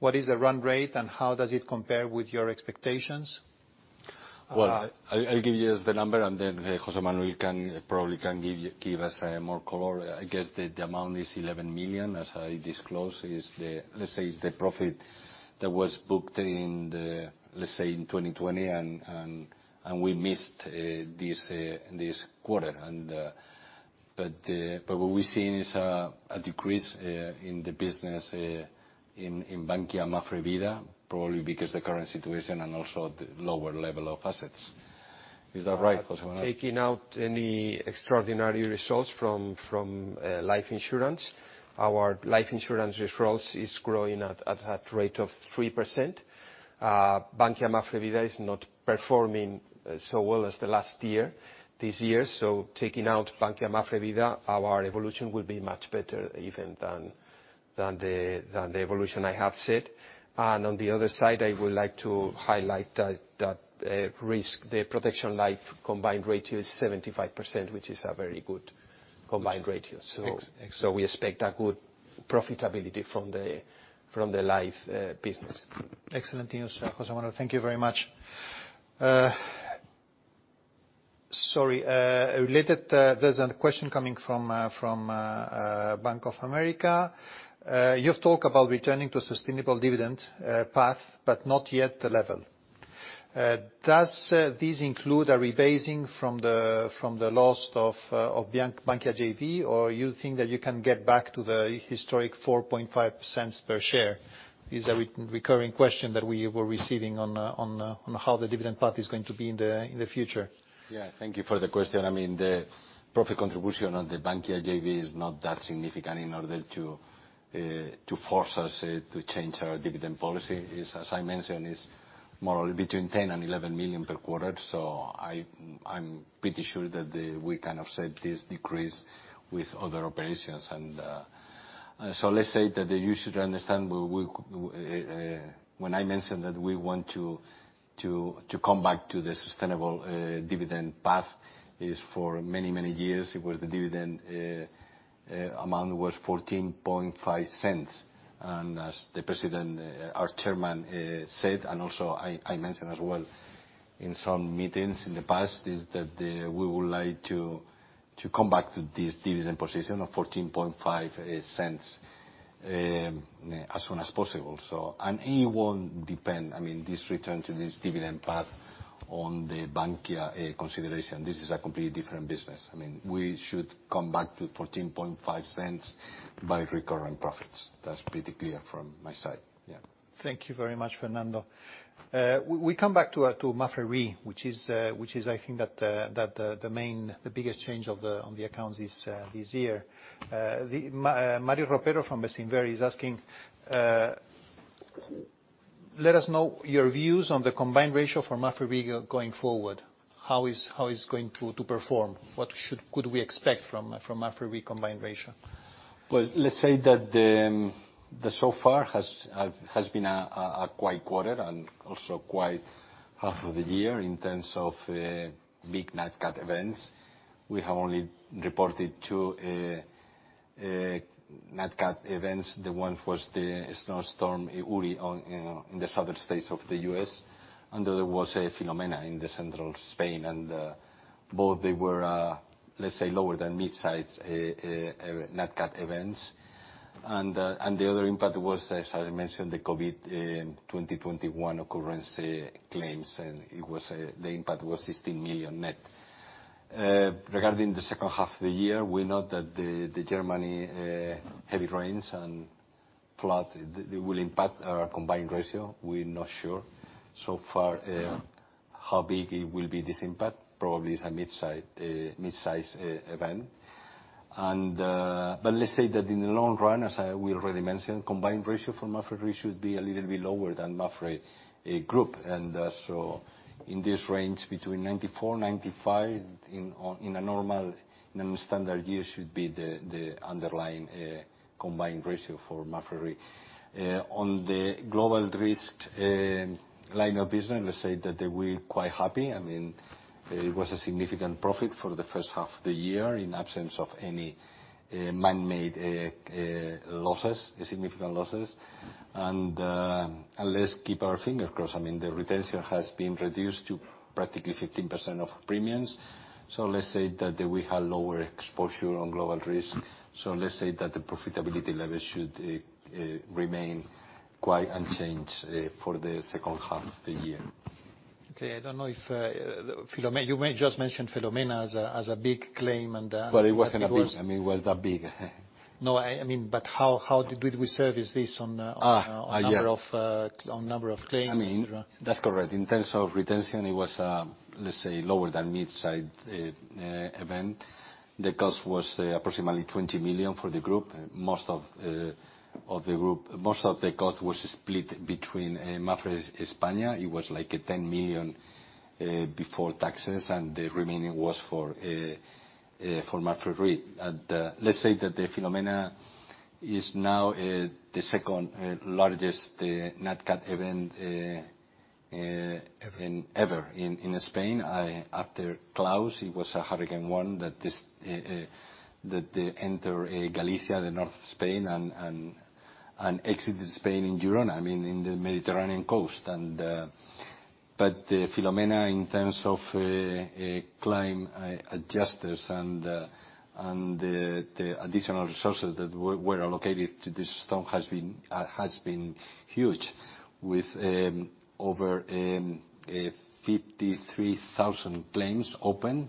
Speaker 1: What is the run rate, and how does it compare with your expectations?
Speaker 2: Well, I'll give you just the number, and then José Manuel probably can give us more color. I guess the amount is 11 million, as I disclosed. Let's say it's the profit that was booked in, let's say, 2020, and we missed this quarter. What we're seeing is a decrease in the business in Bankia Mapfre Vida, probably because the current situation and also the lower level of assets. Is that right, José Manuel?
Speaker 3: Taking out any extraordinary results from life insurance. Our life insurance results is growing at a rate of 3%. Bankia Mapfre Vida is not performing so well as the last year, this year. Taking out Bankia Mapfre Vida, our evolution will be much better even than the evolution I have said. On the other side, I would like to highlight that the protection life combined ratio is 75%, which is a very good combined ratio.
Speaker 2: Excellent.
Speaker 3: We expect a good profitability from the life business.
Speaker 1: Excellent news, José Manuel. Thank you very much. Sorry. There's a question coming from Bank of America. You've talked about returning to sustainable dividend path, but not yet the level. Does this include a rebasing from the loss of Bankia JV? Or you think that you can get back to the historic 0.045 per share? Is a recurring question that we were receiving on how the dividend path is going to be in the future.
Speaker 2: Yeah. Thank you for the question. I mean, the profit contribution on the Bankia JV is not that significant in order to force us to change our dividend policy. As I mentioned, it's more between 10 million and 11 million per quarter. Let's say that you should understand, when I mentioned that we want to come back to the sustainable dividend path is for many, many years, it was the dividend amount was 0.145. As the President, our Chairman said, and also I mentioned as well in some meetings in the past, is that we would like to come back to this dividend position of 0.145, as soon as possible. It won't depend, I mean, this return to this dividend path on the Bankia consideration. This is a completely different business. I mean, we should come back to 0.145 by recurrent profits. That's pretty clear from my side. Yeah.
Speaker 1: Thank you very much, Fernando. We come back to Mapfre, which is, I think that the main, the biggest change on the accounts this year. Mario Ropero from BofA is asking, let us know your views on the combined ratio for Mapfre going forward. How it's going to perform? What could we expect from Mapfre combined ratio?
Speaker 2: Let's say that so far has been a quiet quarter and also quiet half of the year in terms of big Nat Cat events. We have only reported two Nat Cat events. One was the snowstorm Uri in the southern states of the U.S., and there was Filomena in the central Spain. Both they were, let's say, lower than mid-size Nat Cat events. The other impact was, as I mentioned, the COVID 2021 occurrence claims, and the impact was 16 million net. Regarding the second half of the year, we know that the Germany heavy rains and flood will impact our combined ratio. We're not sure so far how big it will be, this impact. Probably it's a mid-size event. Let's say that in the long run, as we already mentioned, combined ratio for Mapfre should be a little bit lower than Mapfre Group. In this range between 94-95 in a normal standard year should be the underlying combined ratio for Mapfre. On the global risk line of business, let's say that we're quite happy. I mean, it was a significant profit for the first half of the year in absence of any manmade significant losses. Let's keep our fingers crossed. I mean, the retention has been reduced to practically 15% of premiums. Let's say that we have lower exposure on global risk. Let's say that the profitability level should remain quite unchanged for the second half of the year.
Speaker 1: Okay. You may just mention Filomena as a big claim.
Speaker 2: It wasn't a big I mean, it was that big.
Speaker 1: No, I mean, how did we service this?
Speaker 2: Yeah.
Speaker 1: on number of claims?
Speaker 2: I mean, that's correct. In terms of retention, it was, let's say, lower than mid-size event. The cost was approximately 20 million for the group. Most of the cost was split between Mapfre España. It was like 10 million before taxes, and the remaining was for Mapfre. Let's say that the Filomena is now the second largest Nat Cat event.
Speaker 1: Ever
Speaker 2: ever in Spain. After Klaus, it was a hurricane one that enter Galicia, the north Spain, and exited Spain in Girona, I mean, in the Mediterranean coast. Filomena, in terms of claim adjusters and the additional resources that were allocated to this storm has been huge with over 53,000 claims open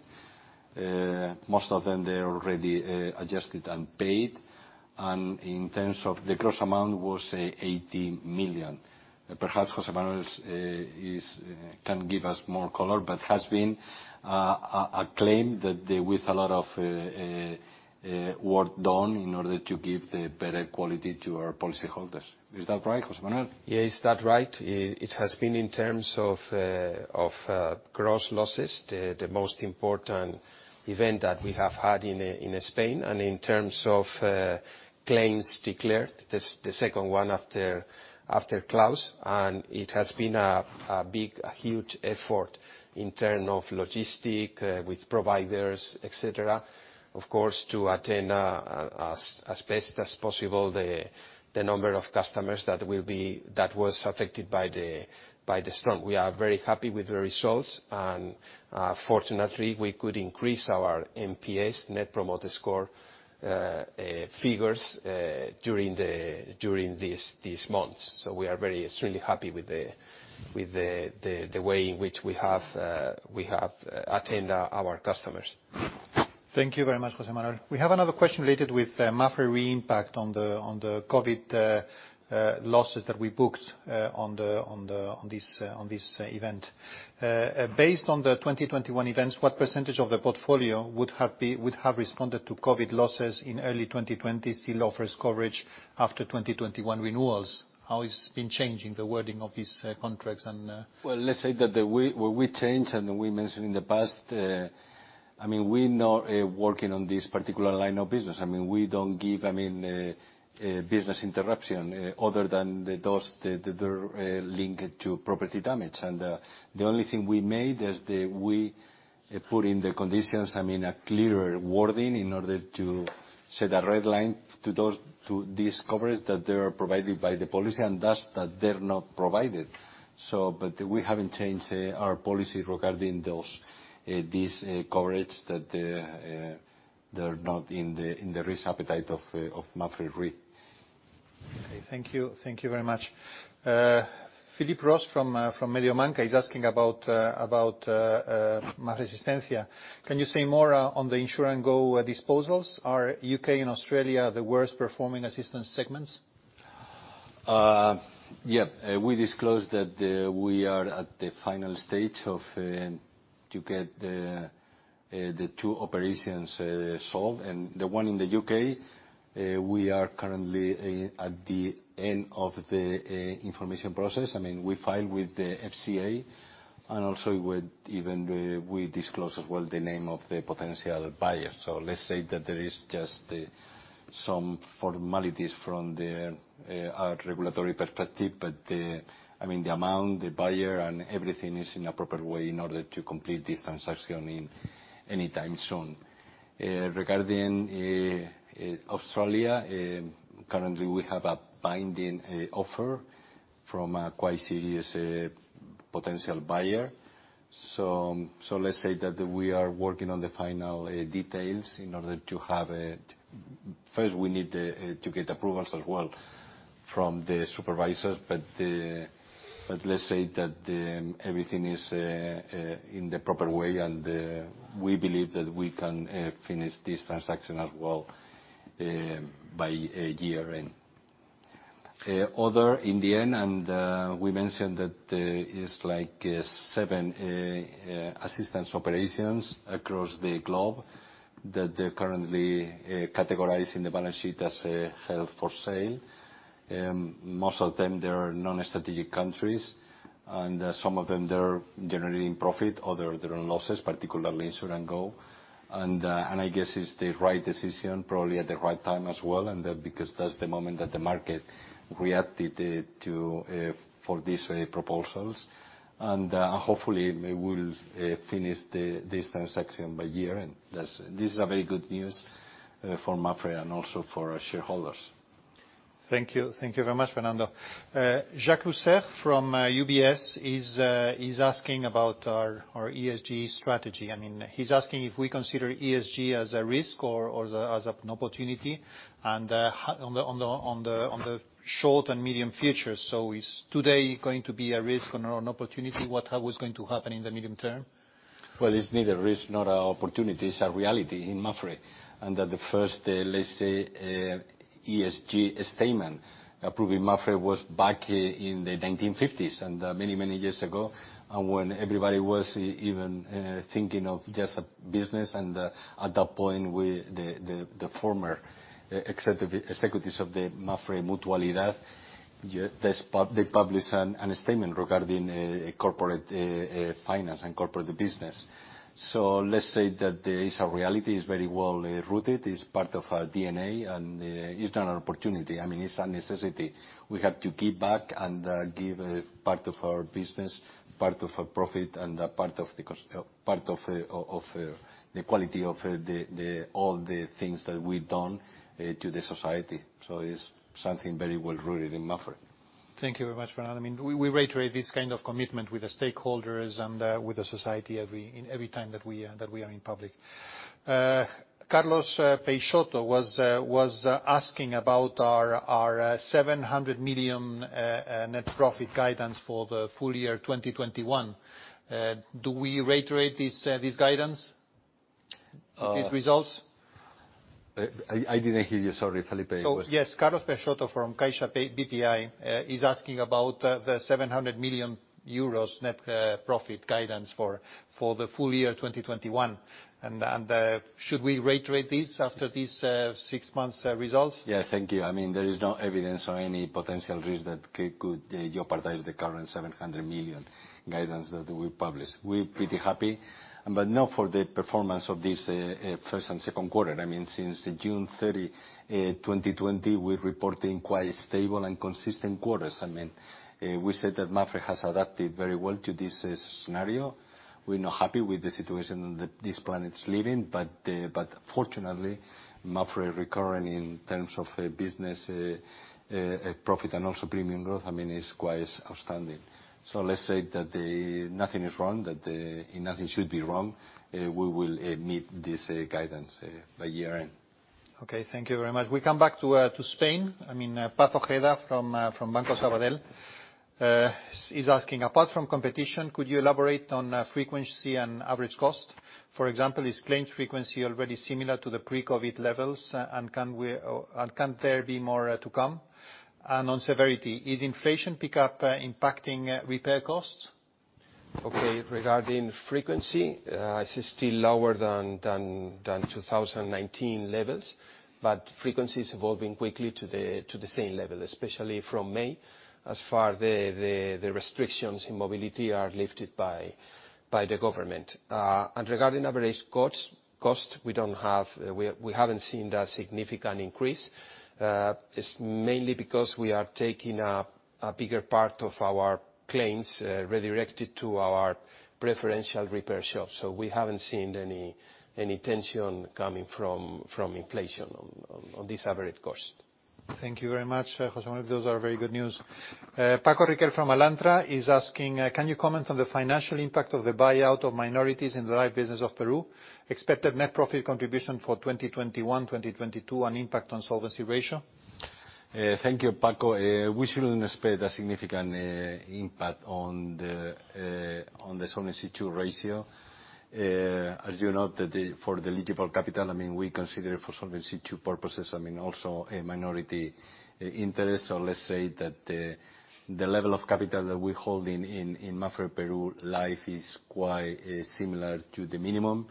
Speaker 2: Most of them, they're already adjusted and paid. In terms of the gross amount was 80 million. Perhaps José Manuel can give us more color, but has been a claim that with a lot of work done in order to give the better quality to our policyholders. Is that right, José Manuel?
Speaker 3: Yes, that right. It has been in terms of gross losses, the most important event that we have had in Spain. In terms of claims declared, the second one after Klaus. It has been a huge effort in terms of logistics with providers, et cetera, of course, to attend as best as possible the number of customers that was affected by the storm. We are very happy with the results. Fortunately, we could increase our NPS, Net Promoter Score, figures during these months. We are very extremely happy with the way in which we have attended our customers.
Speaker 1: Thank you very much, José Manuel. We have another question related with Mapfre Re impact on the COVID losses that we booked on this event. Based on the 2021 events, what percentage of the portfolio would have responded to COVID losses in early 2020, still offers coverage after 2021 renewals? How it's been changing the wording of these contracts?
Speaker 2: Let's say that we changed and we mentioned in the past, we're not working on this particular line of business. We don't give business interruption other than those that are linked to property damage. The only thing we made is we put in the conditions, a clearer wording in order to set a red line to this coverage that they're provided by the policy and thus that they're not provided. We haven't changed our policy regarding these coverage that they're not in the risk appetite of Mapfre.
Speaker 1: Okay. Thank you. Thank you very much. Philip Ross from Mediobanca is asking about Mapfre Asistencia. Can you say more on the InsureandGo disposals? Are U.K. and Australia the worst performing assistance segments?
Speaker 2: Yeah. We disclosed that we are at the final stage to get the two operations solved. The one in the U.K., we are currently at the end of the information process. We file with the FCA and also even we disclose as well the name of the potential buyer. Let's say that there is just some formalities from the regulatory perspective, but the amount, the buyer, and everything is in a proper way in order to complete this transaction any time soon. Regarding Australia, currently we have a binding offer from a quite serious potential buyer. Let's say that we are working on the final details in order to have it. First we need to get approvals as well from the supervisors, but let's say that everything is in the proper way, and we believe that we can finish this transaction as well by year-end. Other in the end, and we mentioned that there is seven assistance operations across the globe that they're currently categorizing the balance sheet as held for sale. Most of them they're non-strategic countries, and some of them they're generating profit, other they're on losses, particularly InsureandGo. I guess it's the right decision probably at the right time as well, because that's the moment that the market reacted for these proposals. Hopefully, we will finish this transaction by year-end. This is a very good news for Mapfre and also for our shareholders.
Speaker 1: Thank you. Thank you very much, Fernando. Jakub Lichwa from UBS is asking about our ESG strategy. He's asking if we consider ESG as a risk or as an opportunity and on the short and medium future. Is today going to be a risk or an opportunity? What is going to happen in the medium term?
Speaker 2: Well, it's neither risk nor an opportunity. It's a reality in Mapfre. That the first, let's say, ESG statement approved in Mapfre was back in the 1950s and many, many years ago, and when everybody was even thinking of just a business. At that point, the former executives of the Mapfre Mutualidad, they published a statement regarding corporate finance and corporate business. Let's say that it's a reality. It's very well-rooted. It's part of our DNA, and it's not an opportunity. It's a necessity. We have to give back and give part of our business, part of our profit, and part of the quality of all the things that we've done to the society. It's something very well-rooted in Mapfre.
Speaker 1: Thank you very much, Fernando. We reiterate this kind of commitment with the stakeholders and with the society every time that we are in public. Carlos Peixoto was asking about our 700 million net profit guidance for the full year 2021. Do we reiterate this guidance, these results?
Speaker 2: I didn't hear you, sorry, Felipe.
Speaker 1: Yes, Carlos Peixoto from CaixaBank BPI is asking about the 700 million euros net profit guidance for the full year 2021. Should we reiterate this after these six months results?
Speaker 2: Thank you. There is no evidence or any potential risk that could jeopardize the current 700 million guidance that we published. We're pretty happy. Now for the performance of this first and second quarter. Since June 30, 2020, we're reporting quite stable and consistent quarters. We said that Mapfre has adapted very well to this scenario. We're not happy with the situation that this planet's living, but fortunately, Mapfre recurring in terms of business profit and also premium growth, is quite outstanding. Let's say that nothing is wrong, that nothing should be wrong. We will meet this guidance by year-end.
Speaker 1: Okay, thank you very much. We come back to Spain. Francisco Ojeda from Banco Sabadell is asking, apart from competition, could you elaborate on frequency and average cost? For example, is claims frequency already similar to the pre-COVID levels, and can there be more to come? On severity, is inflation pickup impacting repair costs?
Speaker 3: Okay, regarding frequency, it's still lower than 2019 levels. Frequency is evolving quickly to the same level, especially from May, as far the restrictions in mobility are lifted by the government. Regarding average cost, we haven't seen a significant increase. It's mainly because we are taking a bigger part of our claims redirected to our preferential repair shops. We haven't seen any tension coming from inflation on this average cost.
Speaker 1: Thank you very much, José Manuel. Those are very good news. Francisco Riquel from Alantra is asking, can you comment on the financial impact of the buyout of minorities in the life business of Peru, expected net profit contribution for 2021, 2022, and impact on solvency ratio?
Speaker 2: Thank you, Paco. We shouldn't expect a significant impact on the Solvency II ratio. As you know, for the eligible capital, we consider for Solvency II purposes, also a minority interest. Let's say that the level of capital that we hold in Mapfre Perú Vida is quite similar to the minimum.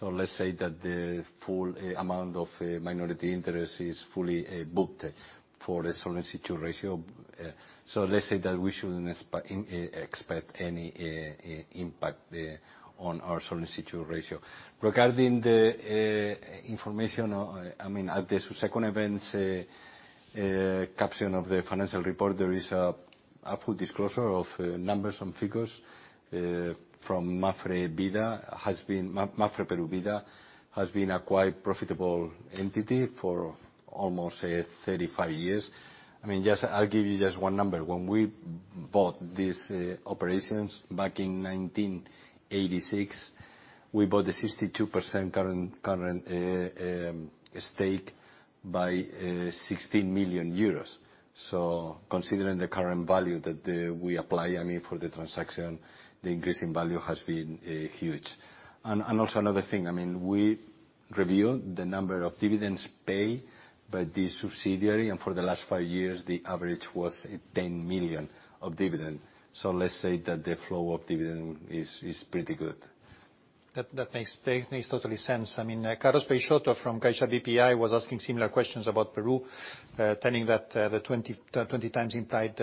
Speaker 2: Let's say that the full amount of minority interest is fully booked for the Solvency II ratio. Let's say that we shouldn't expect any impact on our Solvency II ratio. Regarding the information, at the second event caption of the financial report, there is a full disclosure of numbers and figures from Mapfre Vida, has been a quite profitable entity for almost 35 years. I'll give you just one number. When we bought these operations back in 1986, we bought the 62% current stake by 16 million euros. Considering the current value that we apply for the transaction, the increase in value has been huge. Also another thing, we reviewed the number of dividends paid by this subsidiary, and for the last five years, the average was 10 million of dividend. Let's say that the flow of dividend is pretty good.
Speaker 1: That makes totally sense. Carlos Peixoto from CaixaBank BPI was asking similar questions about Peru, telling that the 20x implied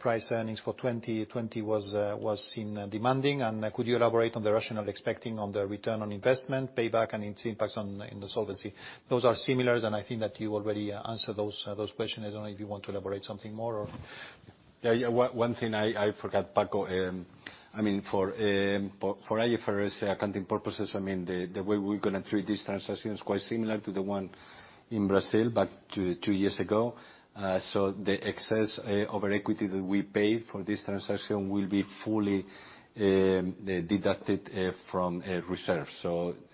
Speaker 1: price earnings for 2020 was seen demanding, and could you elaborate on the rationale expecting on the return on investment, payback, and its impacts in the solvency? Those are similars, and I think that you already answered those question. I don't know if you want to elaborate something more.
Speaker 2: Yeah, one thing I forgot, Paco. For IFRS accounting purposes, the way we're going to treat this transaction is quite similar to the one in Brazil, but two years ago. The excess of equity that we paid for this transaction will be fully deducted from reserves.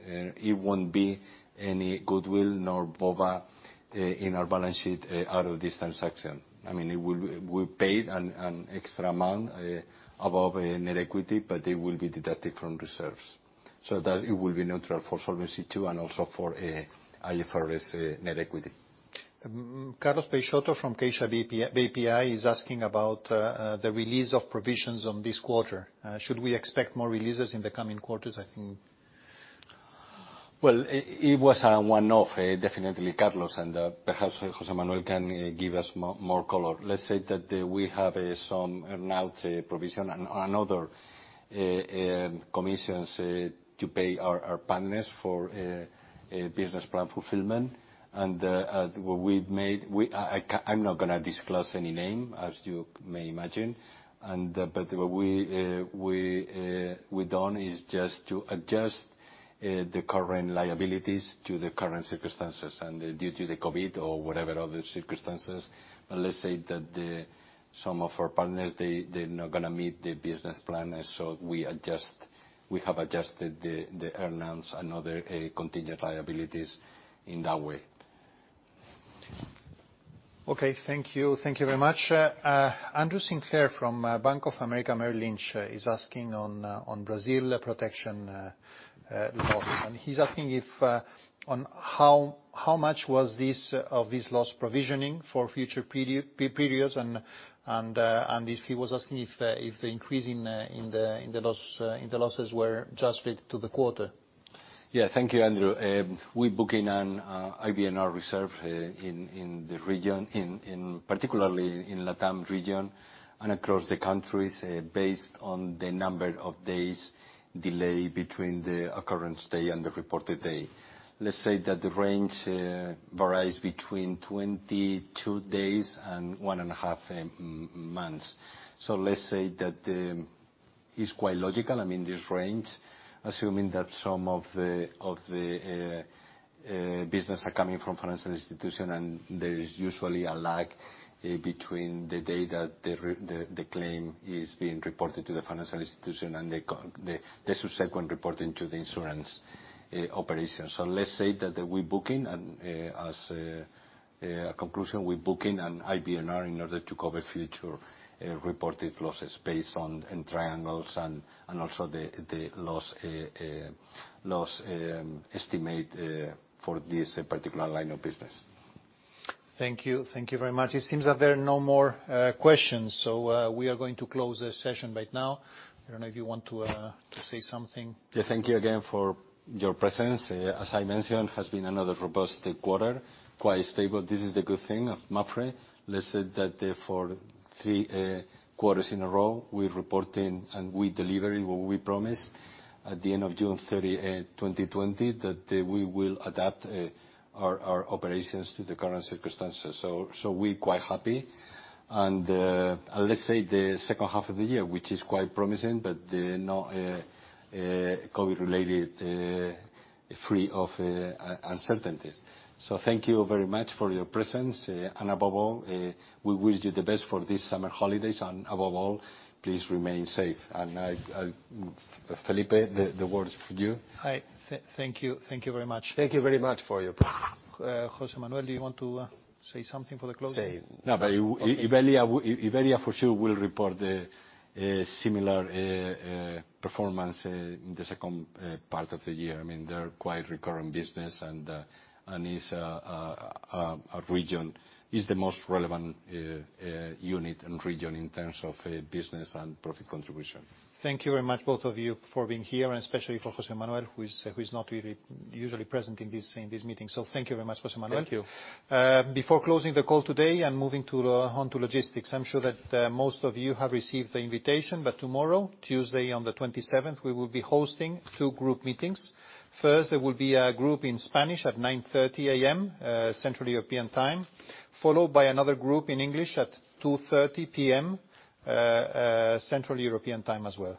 Speaker 2: It won't be any goodwill nor VOBA in our balance sheet out of this transaction. We paid an extra amount above net equity, but it will be deducted from reserves. That it will be neutral for Solvency II and also for IFRS net equity.
Speaker 1: Carlos Peixoto from CaixaBank BPI is asking about the release of provisions on this quarter. Should we expect more releases in the coming quarters, I think?
Speaker 2: Well, it was a one-off, definitely, Carlos, and perhaps José Manuel can give us more color. Let's say that we have some earn-out provision and other commissions to pay our partners for business plan fulfillment. What we've made I'm not going to disclose any name, as you may imagine. What we done is just to adjust the current liabilities to the current circumstances. Due to the COVID or whatever other circumstances, let's say that some of our partners, they're not going to meet the business plan, we have adjusted the earn-outs and other contingent liabilities in that way.
Speaker 1: Okay, thank you. Thank you very much. Andrew Sinclair from Bank of America Merrill Lynch is asking on Brazil protection loss. He's asking on how much was of this loss provisioning for future periods. He was asking if the increase in the losses were just to the quarter.
Speaker 2: Thank you, Andrew. We book in an IBNR reserve in the region, particularly in LATAM region and across the countries, based on the number of days delay between the occurrence day and the reported day. Let's say that the range varies between 22 days and one and a half months. Let's say that is quite logical, I mean, this range, assuming that some of the business are coming from financial institution and there is usually a lag between the day that the claim is being reported to the financial institution and the subsequent reporting to the insurance operations. Let's say that as a conclusion, we book in an IBNR in order to cover future reported losses based on triangles and also the loss estimate for this particular line of business.
Speaker 1: Thank you. Thank you very much. It seems that there are no more questions. We are going to close the session right now. I don't know if you want to say something.
Speaker 2: Yeah. Thank you again for your presence. As I mentioned, it has been another robust quarter, quite stable. This is the good thing of Mapfre. Let's say that for three quarters in a row, we're reporting and we delivering what we promised at the end of June 30, 2020, that we will adapt our operations to the current circumstances. We're quite happy. Let's say the second half of the year, which is quite promising, but not COVID-related free of uncertainties. Thank you very much for your presence. Above all, we wish you the best for this summer holidays, and above all, please remain safe. Felipe, the word is for you.
Speaker 1: Hi. Thank you. Thank you very much.
Speaker 2: Thank you very much for your patience.
Speaker 1: José Manuel Inchausti, do you want to say something for the closing?
Speaker 3: No, Iberia for sure will report a similar performance in the second part of the year. I mean, they're quite recurrent business and is the most relevant unit and region in terms of business and profit contribution.
Speaker 1: Thank you very much, both of you for being here and especially for José Manuel, who is not usually present in these meetings. Thank you very much, José Manuel.
Speaker 3: Thank you.
Speaker 1: Before closing the call today and moving on to logistics, I'm sure that most of you have received the invitation, but tomorrow, Tuesday, on the 27th, we will be hosting two group meetings. First, there will be a group in Spanish at 9:30 A.M., Central European time, followed by another group in English at 2:30 P.M., Central European time as well.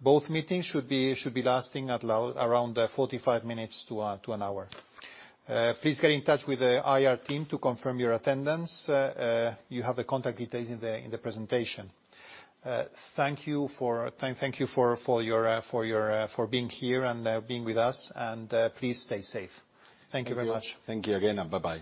Speaker 1: Both meetings should be lasting around 45 minutes to an hour. Please get in touch with the IR team to confirm your attendance. You have the contact details in the presentation. Thank you for being here and being with us and please stay safe. Thank you very much.
Speaker 2: Thank you again, and bye-bye.